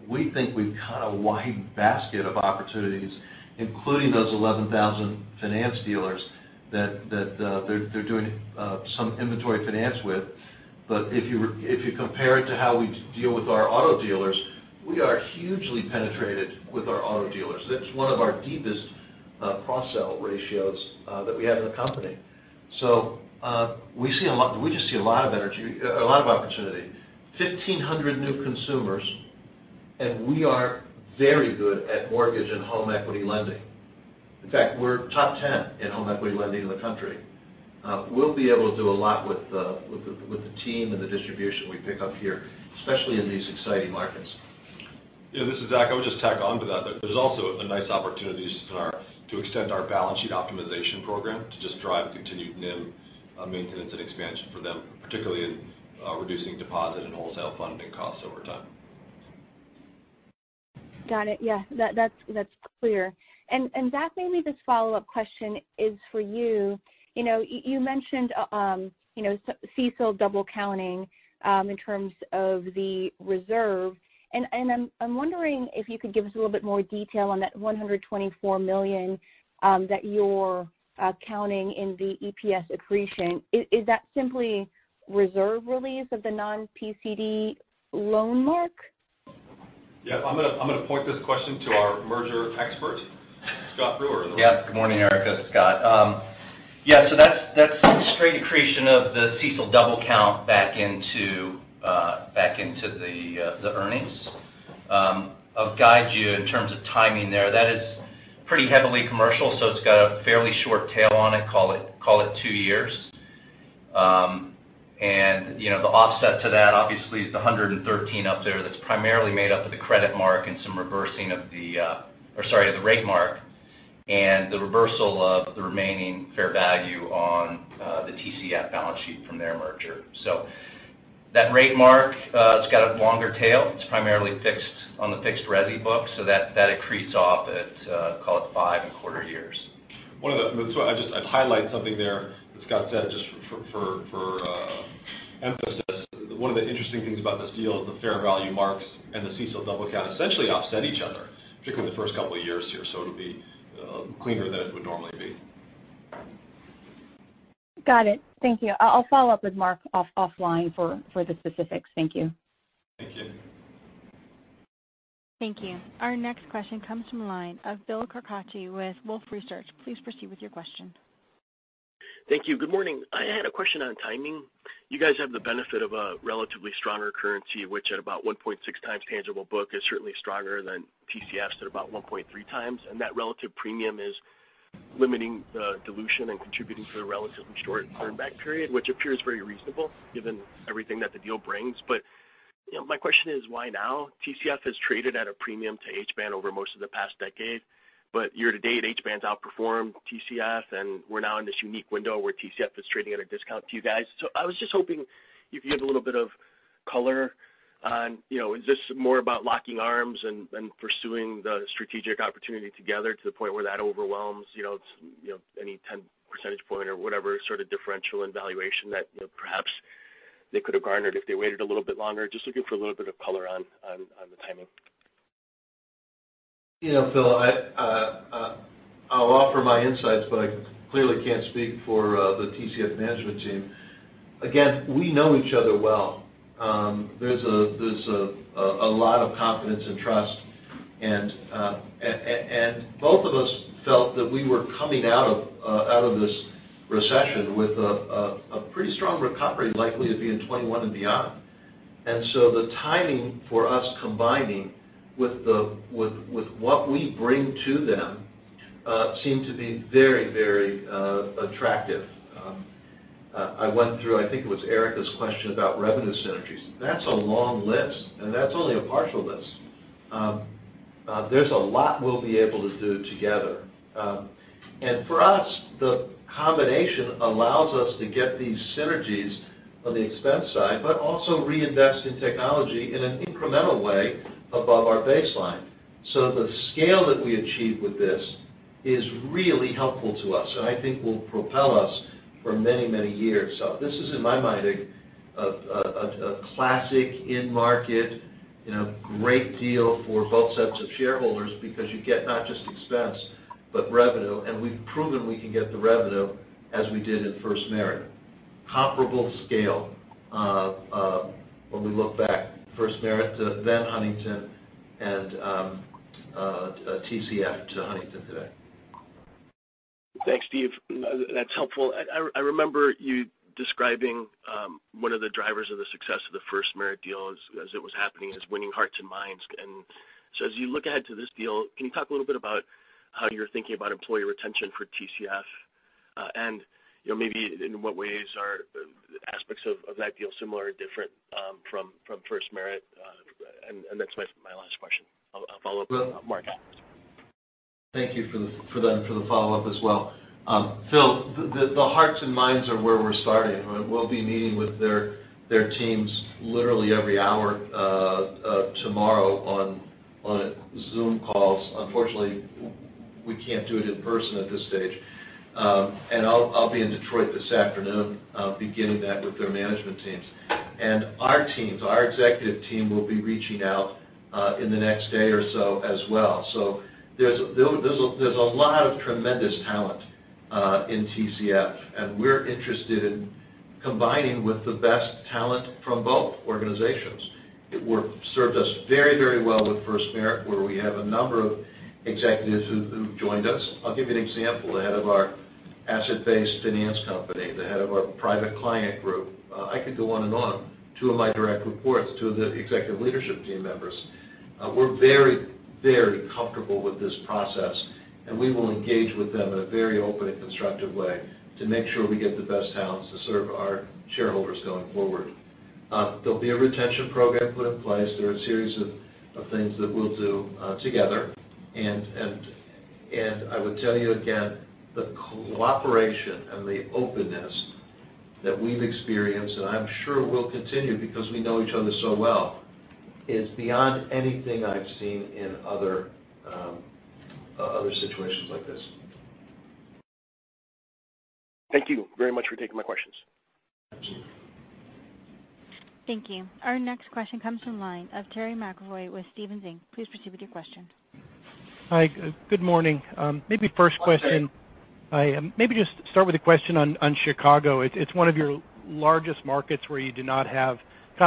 We think we've got a wide basket of opportunities, including those 11,000 finance dealers that they're doing some inventory finance with. If you compare it to how we deal with our auto dealers, we are hugely penetrated with our auto dealers. That's one of our deepest cross-sell ratios that we have in the company. We just see a lot of opportunity. 1.5 million new consumers, and we are very good at mortgage and home equity lending. In fact, we're top 10 in home equity lending in the country. We'll be able to do a lot with the team and the distribution we pick up here, especially in these exciting markets. Yeah, this is Zach. I would just tack on to that there's also a nice opportunity to extend our balance sheet optimization program to just drive continued NIM maintenance and expansion for them, particularly in reducing deposit and wholesale funding costs over time. Got it. Yeah, that's clear. Zach, maybe this follow-up question is for you. You mentioned CECL double-counting in terms of the reserve. I'm wondering if you could give us a little bit more detail on that $124 million that you're counting in the EPS accretion. Is that simply reserve release of the non-PCD loan mark? Yeah, I'm going to point this question to our merger expert, Scott Brewer. Yes. Good morning, Erika. Scott. That's straight accretion of the CECL double count back into the earnings. I'll guide you in terms of timing there. That is pretty heavily commercial, so it's got a fairly short tail on it, call it two years. The offset to that obviously is the 113 up there that's primarily made up of the credit mark and some reversing of the, or sorry, the rate mark, and the reversal of the remaining fair value on the TCF balance sheet from their merger. That rate mark, it's got a longer tail. It's primarily fixed on the fixed resi book, so that accretes off at, call it five and a quarter years. I'll highlight something there that Scott said just for emphasis. One of the interesting things about this deal is the fair value marks and the CECL double count essentially offset each other, particularly in the first couple of years here. It'll be cleaner than it would normally be. Got it. Thank you. I'll follow up with Mark offline for the specifics. Thank you. Thank you. Thank you. Our next question comes from the line of Bill Carcache with Wolfe Research. Please proceed with your question. Thank you. Good morning. I had a question on timing. You guys have the benefit of a relatively stronger currency, which at about 1.6x tangible book is certainly stronger than TCF's at about 1.3x. That relative premium is limiting the dilution and contributing to the relatively short earn back period, which appears very reasonable given everything that the deal brings. My question is, why now? TCF has traded at a premium to HBAN over most of the past decade, but year to date, HBAN's outperformed TCF, and we're now in this unique window where TCF is trading at a discount to you guys. I was just hoping if you have a little bit of color on, is this more about locking arms and pursuing the strategic opportunity together to the point where that overwhelms any 10 percentage point or whatever sort of differential in valuation that perhaps they could have garnered if they waited a little bit longer? Just looking for a little bit of color on the timing. Bill, I'll offer my insights, but I clearly can't speak for the TCF management team. Again, we know each other well. There's a lot of confidence and trust. Both of us felt that we were coming out of this recession with a pretty strong recovery likely to be in 2021 and beyond. The timing for us combining with what we bring to them seemed to be very attractive. I went through, I think it was Erika's question about revenue synergies. That's a long list, and that's only a partial list. There's a lot we'll be able to do together. For us, the combination allows us to get these synergies on the expense side, but also reinvest in technology in an incremental way above our baseline. The scale that we achieve with this is really helpful to us, and I think will propel us for many years. This is, in my mind, a classic in-market great deal for both sets of shareholders because you get not just expense, but revenue. We've proven we can get the revenue as we did in FirstMerit. Comparable scale when we look back, FirstMerit to then Huntington and TCF to Huntington today. Thanks, Steve. That's helpful. I remember you describing one of the drivers of the success of the FirstMerit deal as it was happening, as winning hearts and minds. As you look ahead to this deal, can you talk a little bit about how you're thinking about employee retention for TCF? Maybe in what ways are aspects of that deal similar or different from FirstMerit? That's my last question. I'll follow up with Mark. Thank you for that, and for the follow-up as well. Bill, the hearts and minds are where we're starting. We'll be meeting with their teams literally every hour tomorrow on Zoom calls. Unfortunately, we can't do it in person at this stage. I'll be in Detroit this afternoon beginning that with their management teams. Our teams, our executive team, will be reaching out in the next day or so as well. There's a lot of tremendous talent in TCF, and we're interested in combining with the best talent from both organizations. It served us very well with FirstMerit, where we have a number of executives who've joined us. I'll give you an example. The head of our asset-based finance company, the head of our private client group. I could go on and on. Two of my direct reports, two of the executive leadership team members. We're very comfortable with this process, and we will engage with them in a very open and constructive way to make sure we get the best talent to serve our shareholders going forward. There'll be a retention program put in place. There are a series of things that we'll do together. I would tell you again, the cooperation and the openness that we've experienced, and I'm sure will continue because we know each other so well, is beyond anything I've seen in other situations like this. Thank you very much for taking my questions. Thank you. Our next question comes from line of Terry McEvoy with Stephens Inc. Please proceed with your question. Hi. Good morning. Maybe first question. Good morning. Maybe just start with a question on Chicago. It's one of your largest markets where you do not have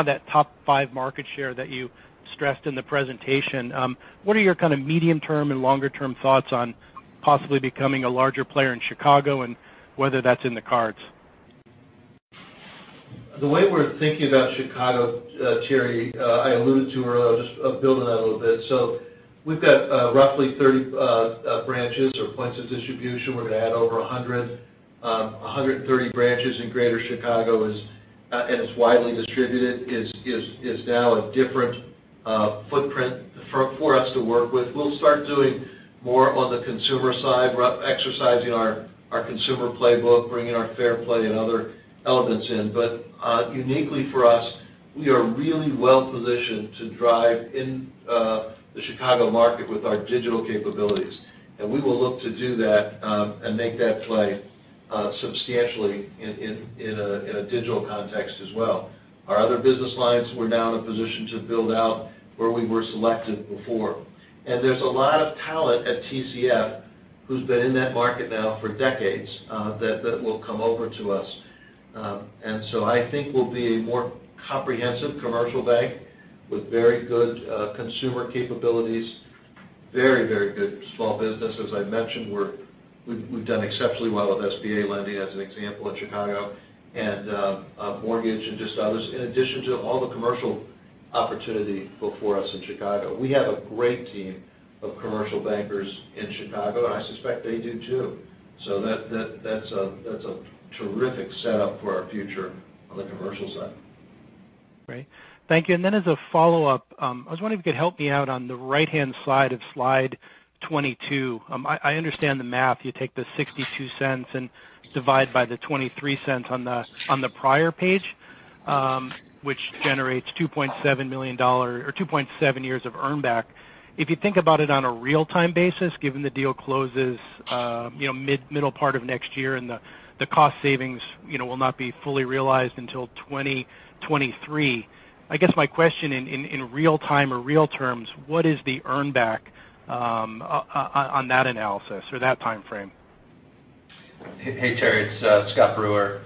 that top five market share that you stressed in the presentation. What are your medium term and longer-term thoughts on possibly becoming a larger player in Chicago, and whether that's in the cards? The way we're thinking about Chicago, Terry, I alluded to earlier, I'll just build on that a little bit. We've got roughly 30 branches or points of distribution. We're going to add over 100, 130 branches in Greater Chicago, and it's widely distributed. It's now a different footprint for us to work with. We'll start doing more on the consumer side. We're exercising our consumer playbook, bringing our Fair Play and other elements in. Uniquely for us, we are really well-positioned to drive in the Chicago market with our digital capabilities. We will look to do that, and make that play substantially in a digital context as well. Our other business lines, we're now in a position to build out where we were selected before. There's a lot of talent at TCF who's been in that market now for decades, that will come over to us. I think we'll be a more comprehensive commercial bank with very good consumer capabilities. Very good small business. As I mentioned, we've done exceptionally well with SBA lending, as an example, in Chicago, and mortgage and just others. In addition to all the commercial opportunity before us in Chicago. We have a great team of commercial bankers in Chicago, and I suspect they do too. That's a terrific setup for our future on the commercial side. Great. Thank you. As a follow-up, I was wondering if you could help me out on the right-hand side of slide 22. I understand the math. You take the $0.62 and divide by the $0.23 on the prior page, which generates $2.7 million, or 2.7 years of earn back. If you think about it on a real-time basis, given the deal closes middle part of next year and the cost savings will not be fully realized until 2023. I guess my question in real time or real terms, what is the earn back on that analysis or that time frame? Hey, Terry, it's Scott Brewer.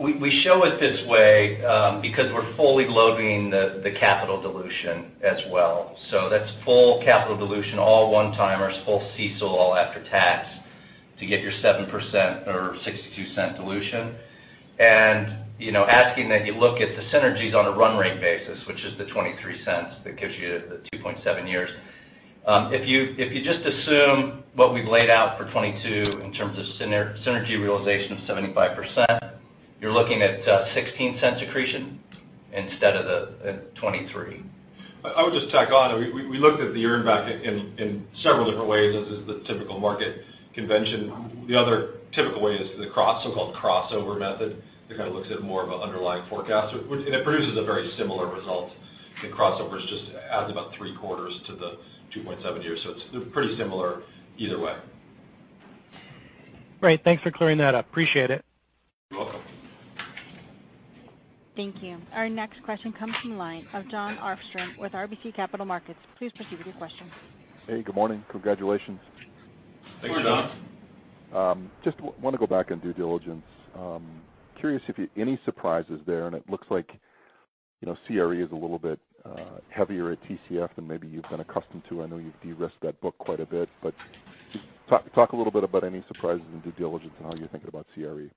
We show it this way because we're fully loading the capital dilution as well. That's full capital dilution, all one-timers, full CECL, all after tax to get your 7% or $0.62 dilution. Asking that you look at the synergies on a run rate basis, which is the $0.23 that gives you the 2.7 years. If you just assume what we've laid out for 2022 in terms of synergy realization of 75%, you're looking at $0.16 accretion instead of the $0.23. I would just tack on. We looked at the earn back in several different ways. This is the typical market convention. The other typical way is the so-called crossover method. That kind of looks at more of an underlying forecast. It produces a very similar result. The crossover just adds about three quarters to the 2.7 years. It's pretty similar either way. Great. Thanks for clearing that up. Appreciate it. You're welcome. Thank you. Our next question comes from the line of Jon Arfstrom with RBC Capital Markets. Please proceed with your question. Hey, good morning. Congratulations. Thanks, Jon. Good morning. Just want to go back in due diligence. Curious if you any surprises there, and it looks like CRE is a little bit heavier at TCF than maybe you've been accustomed to. I know you've de-risked that book quite a bit, but just talk a little bit about any surprises in due diligence and how you're thinking about CRE?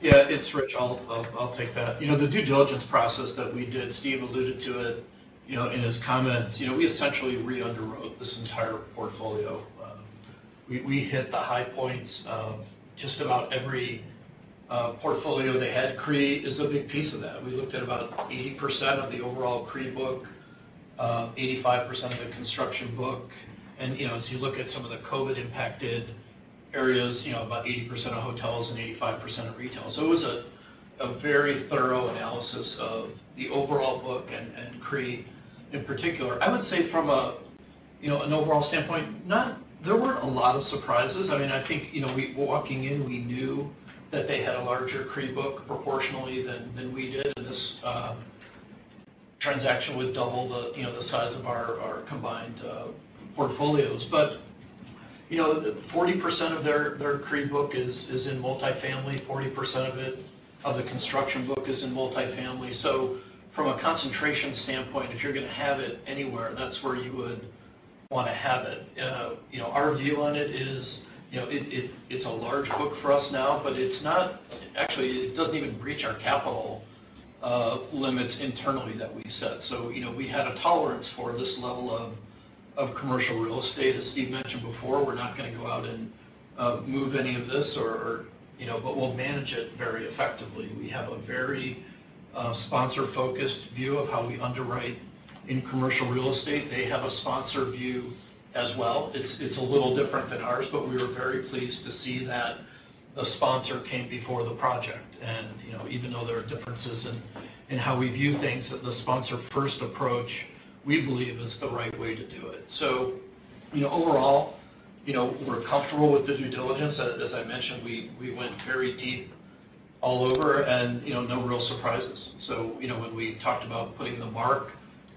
Yeah, it's Rich. I'll take that. The due diligence process that we did, Steve alluded to it in his comments. We essentially re-underwrote this entire portfolio. We hit the high points of just about every portfolio they had. CRE is a big piece of that. We looked at about 80% of the overall CRE book, 85% of the construction book, and as you look at some of the COVID-impacted areas, about 80% of hotels and 85% of retail. It was a very thorough analysis of the overall book and CRE in particular. I would say from an overall standpoint, there weren't a lot of surprises. I think, walking in, we knew that they had a larger CRE book proportionally than we did, and this transaction would double the size of our combined portfolios. 40% of their CRE book is in multifamily. 40% of the construction book is in multifamily. From a concentration standpoint, if you're going to have it anywhere, that's where you would want to have it. Our view on it is it's a large book for us now, but actually, it doesn't even breach our capital limits internally that we set. We had a tolerance for this level of commercial real estate. As Steve mentioned before, we're not going to go out and move any of this, but we'll manage it very effectively. We have a very sponsor-focused view of how we underwrite in commercial real estate. They have a sponsor view as well. It's a little different than ours, but we were very pleased to see that the sponsor came before the project. Even though there are differences in how we view things, the sponsor-first approach, we believe, is the right way to do it. Overall, we're comfortable with the due diligence. As I mentioned, we went very deep all over, and no real surprises. When we talked about putting the mark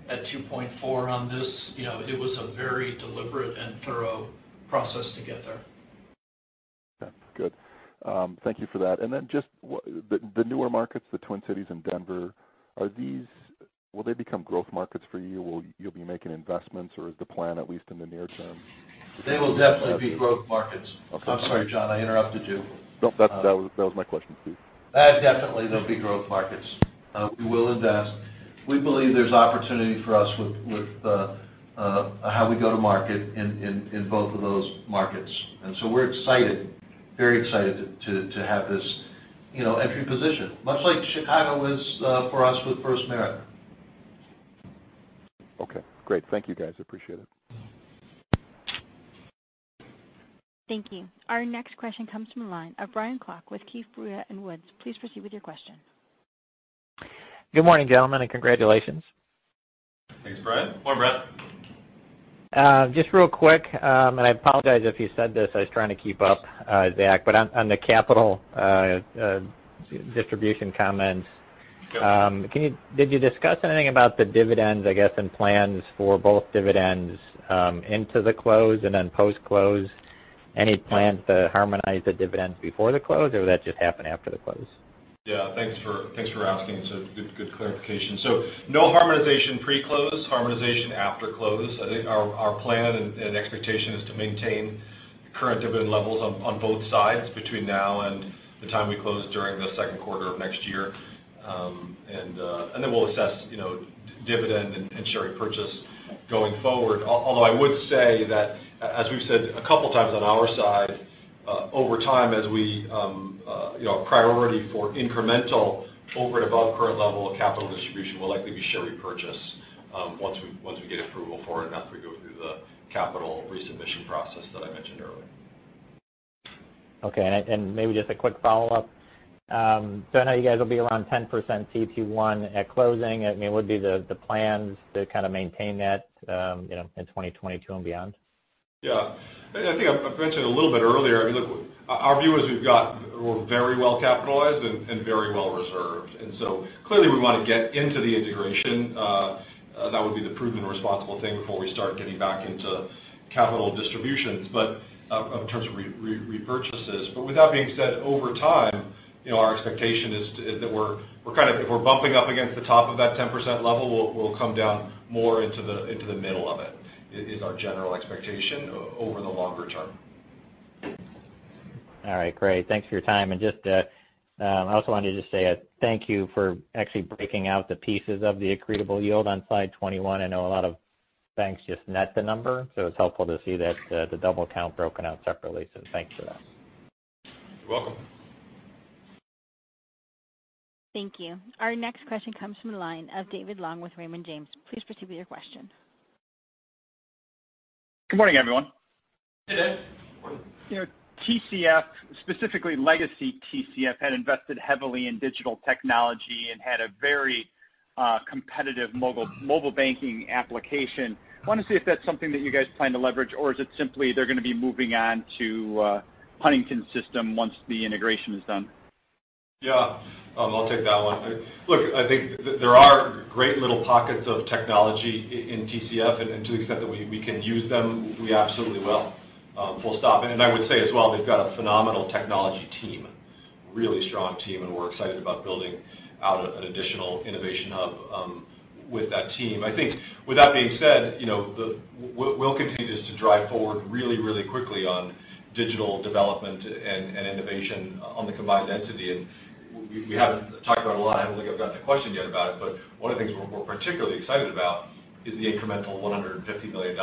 at 2.4 on this, it was a very deliberate and thorough process to get there. Okay. Good. Thank you for that. Then just the newer markets, the Twin Cities and Denver, will they become growth markets for you? Will you be making investments or is the plan, at least in the near term? They will definitely be growth markets. Okay. I'm sorry, Jon, I interrupted you. No, that was my question to you. Definitely they'll be growth markets. We will invest. We believe there's opportunity for us with how we go to market in both of those markets. We're very excited to have this entry position, much like Chicago was for us with FirstMerit. Okay, great. Thank you guys. I appreciate it. Thank you. Our next question comes from the line of Brian Klock with Keefe, Bruyette & Woods. Please proceed with your question. Good morning, gentlemen, and congratulations. Thanks, Brian. Good morning, Brian. Just real quick, I apologize if you said this, I was trying to keep up, Zach. On the capital distribution comments. Did you discuss anything about the dividends, I guess, and plans for both dividends into the close and then post-close? Any plans to harmonize the dividends before the close, or will that just happen after the close? Yeah, thanks for asking. Good clarification. No harmonization pre-close, harmonization after close. I think our plan and expectation is to maintain current dividend levels on both sides between now and the time we close during the second quarter of next year. We'll assess dividend and share repurchase going forward. I would say that, as we've said a couple of times on our side, over time, priority for incremental over and above current level of capital distribution will likely be share repurchase once we get approval for it, and after we go through the capital resubmission process that I mentioned earlier. Okay. Maybe just a quick follow-up. I know you guys will be around 10% CET1 at closing. Would be the plans to kind of maintain that in 2022 and beyond? Yeah. I think I mentioned a little bit earlier, our view is we're very well capitalized and very well reserved. Clearly we want to get into the integration. That would be the proven responsible thing before we start getting back into capital distributions in terms of repurchases. With that being said, over time, our expectation is that if we're bumping up against the top of that 10% level, we'll come down more into the middle of it, is our general expectation over the longer term. All right, great. Thanks for your time. I also wanted to just say thank you for actually breaking out the pieces of the accretable yield on slide 21. I know a lot of banks just net the number, it's helpful to see the double count broken out separately. Thanks for that. You're welcome. Thank you. Our next question comes from the line of David Long with Raymond James. Please proceed with your question. Good morning, everyone. Hey, Dave. Morning. TCF, specifically legacy TCF, had invested heavily in digital technology and had a very competitive mobile banking application. I wanted to see if that's something that you guys plan to leverage, or is it simply they're going to be moving on to Huntington's system once the integration is done? Yeah. I'll take that one. Look, I think there are great little pockets of technology in TCF, and to the extent that we can use them, we absolutely will. Full stop. I would say as well, they've got a phenomenal technology team. Really strong team, we're excited about building out an additional innovation hub with that team. I think with that being said, we'll continue just to drive forward really, really quickly on digital development and innovation on the combined entity. We haven't talked about it a lot. I don't think I've gotten a question yet about it, but one of the things we're particularly excited about is the incremental $150 million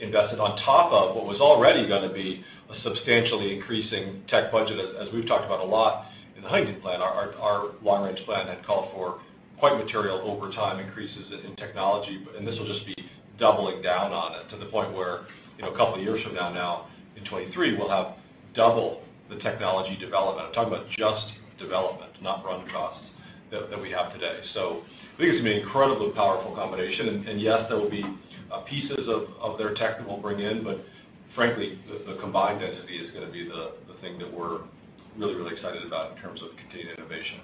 invested on top of what was already going to be a substantially increasing tech budget, as we've talked about a lot in the Huntington plan. Our long-range plan had called for quite material over time increases in technology. This will just be doubling down on it to the point where, a couple of years from now, in 2023, we'll have double the technology development. I'm talking about just development, not running costs, that we have today. I think it's going to be an incredibly powerful combination. Yes, there will be pieces of their tech that we'll bring in, but frankly, the combined entity is going to be the thing that we're really, really excited about in terms of continued innovation.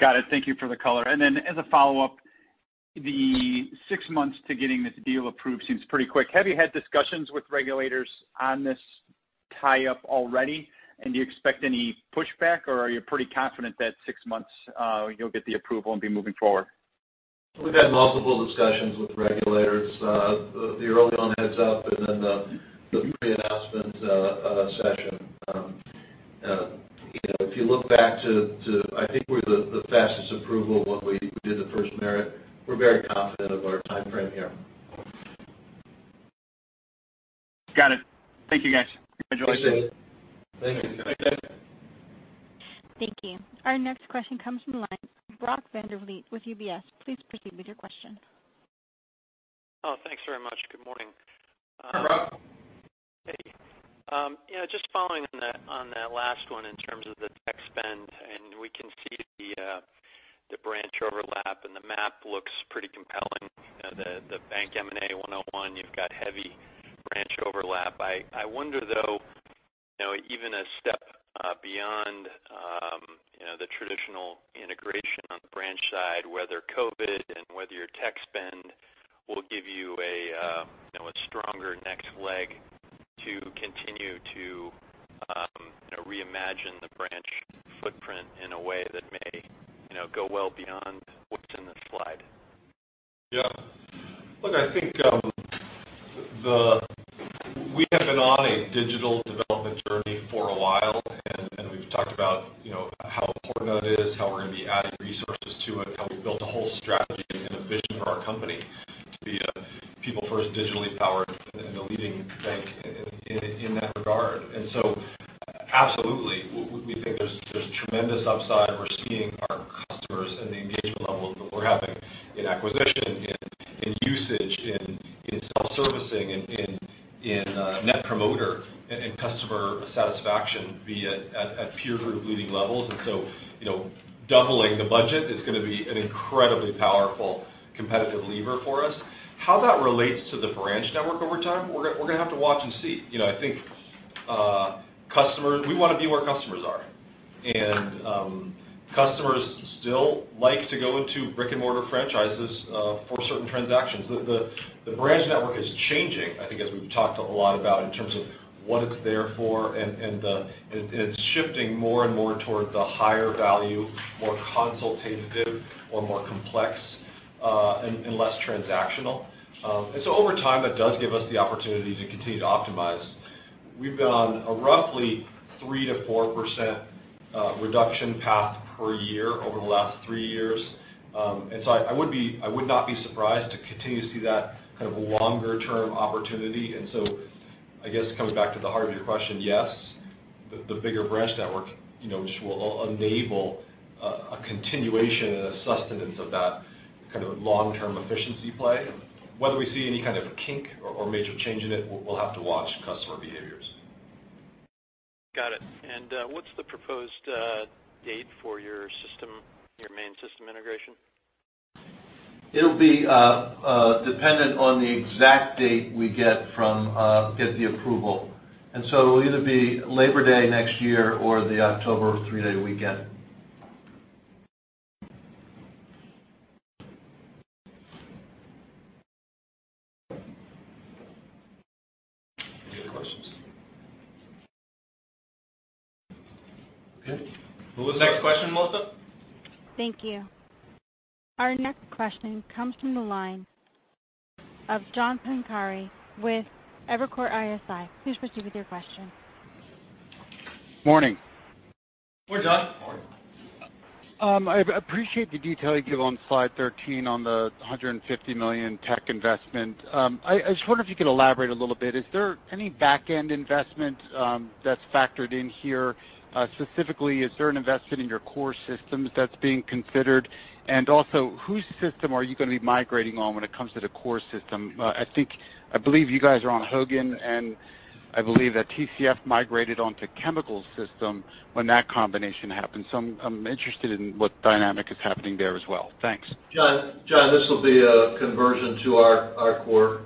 Got it. Thank you for the color. As a follow-up, the six months to getting this deal approved seems pretty quick. Have you had discussions with regulators on this tie-up already? Do you expect any pushback, or are you pretty confident that six months you'll get the approval and be moving forward? We've had multiple discussions with regulators, the early on heads-up and then the pre-announcement session. If you look back to, I think we're the fastest approval when we did the FirstMerit. We're very confident of our timeframe here. Got it. Thank you, guys. Congratulations. Thanks, David. Thank you. Thank you. Our next question comes from the line of Brock Vandervliet with UBS. Please proceed with your question. Oh, thanks very much. Good morning. Hi, Brock. Hey. Just following on that last one in terms of the tech spend, and we can see the branch overlap, and the map looks pretty compelling. The bank M&A 101, you've got heavy branch overlap. I wonder, though, even a step beyond the traditional integration on the branch side, whether COVID and whether your tech spend will give you a stronger next leg to continue to reimagine the branch footprint in a way that may go well beyond what's in this slide. Look, I think we have been on a digital development journey for a while. We've talked about how important that is, how we're going to be adding resources to it, how we've built a whole strategy and a vision for our company to be a people first, digitally powered, and a leading bank in that regard. Absolutely. We think there's tremendous upside, and we're seeing our customers and the engagement levels that we're having in acquisition, in usage, in self-servicing, in Net Promoter, and customer satisfaction be at peer group-leading levels. Doubling the budget is going to be an incredibly powerful competitive lever for us. How that relates to the branch network over time, we're going to have to watch and see. I think we want to be where customers are. Customers still like to go into brick-and-mortar franchises for certain transactions. The branch network is changing, I think as we've talked a lot about, in terms of what it's there for, and it's shifting more and more toward the higher value, more consultative, or more complex, and less transactional. Over time, that does give us the opportunity to continue to optimize. We've been on a roughly 3%-4% reduction path per year over the last three years. I would not be surprised to continue to see that kind of longer-term opportunity. I guess, coming back to the heart of your question, yes, the bigger branch network just will enable a continuation and a sustenance of that kind of long-term efficiency play. Whether we see any kind of kink or major change in it, we'll have to watch customer behaviors. Got it. What's the proposed date for your main system integration? It'll be dependent on the exact date we get the approval. It'll either be Labor Day next year or the October three-day weekend. Any other questions? Okay. Who was the next question, Melissa? Thank you. Our next question comes from the line of John Pancari with Evercore ISI. Please proceed with your question. Morning. Good morning, John. Morning. I appreciate the detail you give on slide 13 on the $150 million tech investment. I just wonder if you could elaborate a little bit. Is there any back-end investment that's factored in here? Specifically, is there an investment in your core systems that's being considered? Also, whose system are you going to be migrating on when it comes to the core system? I believe you guys are on Hogan, and I believe that TCF migrated onto Chemical's system when that combination happened. I'm interested in what dynamic is happening there as well. Thanks. John, this will be a conversion to our core.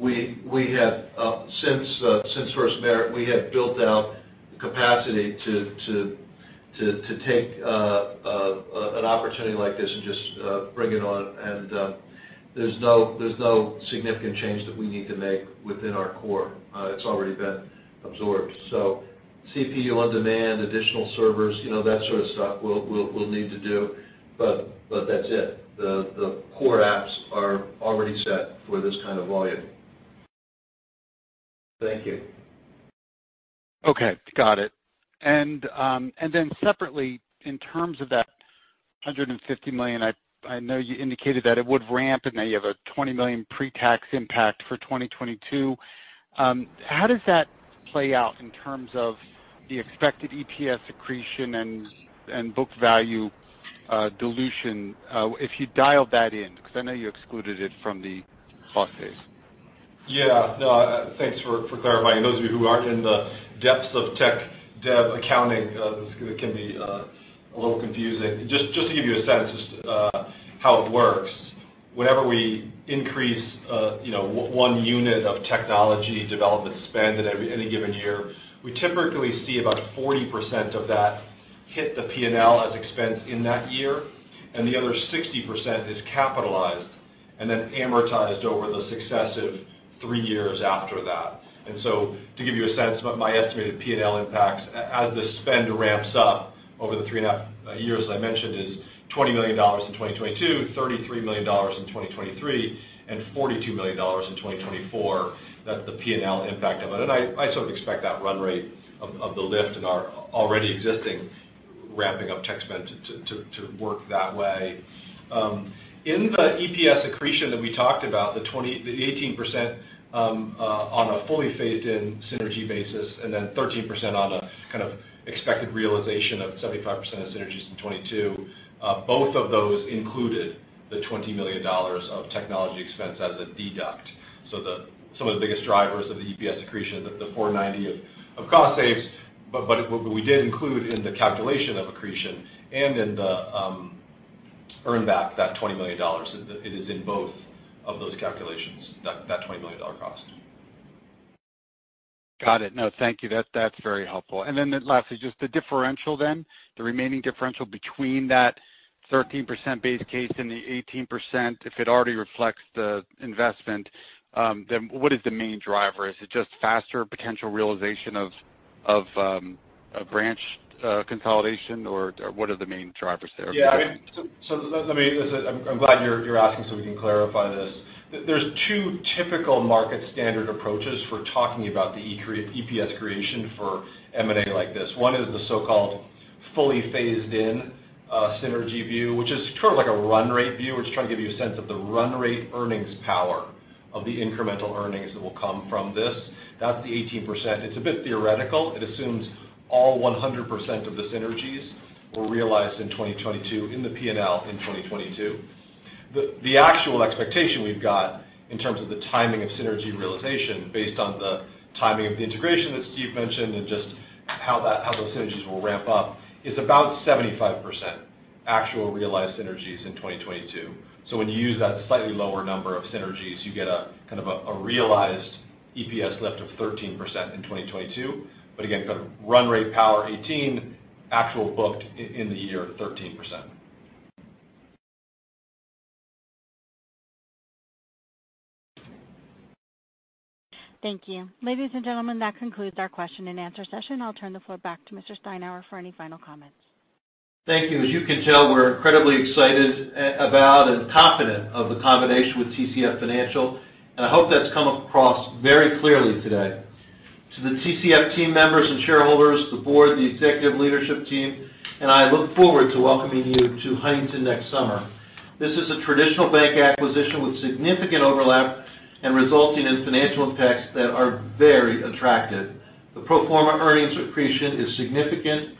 Since FirstMerit, we have built out the capacity to take an opportunity like this and just bring it on. There's no significant change that we need to make within our core. It's already been absorbed. CPU on demand, additional servers, that sort of stuff, we'll need to do. That's it. The core apps are already set for this kind of volume. Thank you. Okay. Got it. Separately, in terms of that $150 million, I know you indicated that it would ramp, now you have a $20 million pre-tax impact for 2022. How does that play out in terms of the expected EPS accretion and book value dilution if you dialed that in, because I know you excluded it from the cost base? Yeah, no, thanks for clarifying. Those of you who aren't in the depths of tech dev accounting, this can be a little confusing. Just to give you a sense as to how it works, whenever we increase one unit of technology development spend in any given year, we typically see about 40% of that hit the P&L as expense in that year, and the other 60% is capitalized and then amortized over the successive three years after that. To give you a sense, my estimated P&L impacts as the spend ramps up over the three and a half years I mentioned is $20 million in 2022, $33 million in 2023, and $42 million in 2024. That's the P&L impact of it. I sort of expect that run rate of the lift in our already existing ramping up tech spend to work that way. In the EPS accretion that we talked about, the 18% on a fully phased in synergy basis, and then 13% on a kind of expected realization of 75% of synergies in 2022, both of those included the $20 million of technology expense as a deduct. Some of the biggest drivers of the EPS accretion, the $490 of cost saves, but we did include in the calculation of accretion and in the earn back, that $20 million. It is in both of those calculations, that $20 million cost. Got it. No, thank you. That's very helpful. Lastly, just the differential then, the remaining differential between that 13% base case and the 18%, if it already reflects the investment, then what is the main driver? Is it just faster potential realization of branch consolidation? What are the main drivers there? Let me listen, I am glad you are asking so we can clarify this. There are two typical market standard approaches for talking about the EPS accretion for M&A like this. One is the so-called fully phased-in synergy view, which is sort of like a run rate view. We are just trying to give you a sense of the run-rate earnings power of the incremental earnings that will come from this. That is the 18%. It is a bit theoretical. It assumes all 100% of the synergies were realized in 2022, in the P&L in 2022. The actual expectation we have got in terms of the timing of synergy realization based on the timing of the integration that Steve mentioned, and just how those synergies will ramp up, is about 75% actual realized synergies in 2022. When you use that slightly lower number of synergies, you get a kind of a realized EPS lift of 13% in 2022. Again, kind of run rate power 18%, actual booked in the year, 13%. Thank you. Ladies and gentlemen, that concludes our question and answer session. I'll turn the floor back to Mr. Steinour for any final comments. Thank you. As you can tell, we're incredibly excited about and confident of the combination with TCF Financial, I hope that's come across very clearly today. To the TCF team members and shareholders, the Board, the Executive Leadership Team, and I look forward to welcoming you to Huntington next summer. This is a traditional bank acquisition with significant overlap and resulting in financial impacts that are very attractive. The pro forma earnings accretion is significant.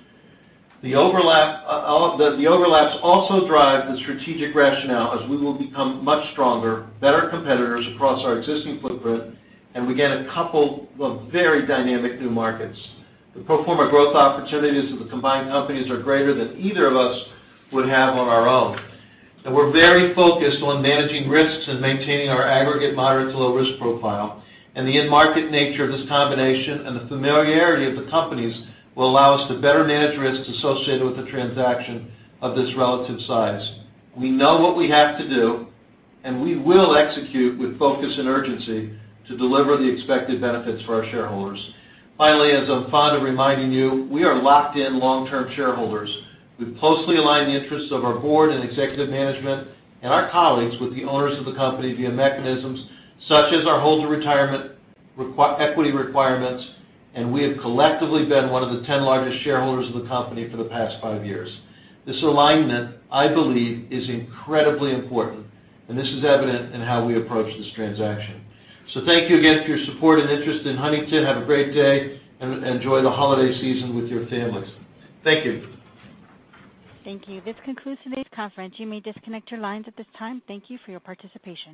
The overlaps also drive the strategic rationale as we will become much stronger, better competitors across our existing footprint. We gain a couple of very dynamic new markets. The pro forma growth opportunities of the combined companies are greater than either of us would have on our own. We're very focused on managing risks and maintaining our aggregate moderate to low risk profile. The end market nature of this combination and the familiarity of the companies will allow us to better manage risks associated with the transaction of this relative size. We know what we have to do, and we will execute with focus and urgency to deliver the expected benefits for our shareholders. Finally, as I'm fond of reminding you, we are locked-in long-term shareholders. We've closely aligned the interests of our Board and executive management and our colleagues with the owners of the company via mechanisms such as our hold-to-retirement equity requirements, and we have collectively been one of the 10 largest shareholders of the company for the past five years. This alignment, I believe, is incredibly important, and this is evident in how we approach this transaction. Thank you again for your support and interest in Huntington. Have a great day, and enjoy the holiday season with your families. Thank you. Thank you. This concludes today's conference. You may disconnect your lines at this time. Thank you for your participation.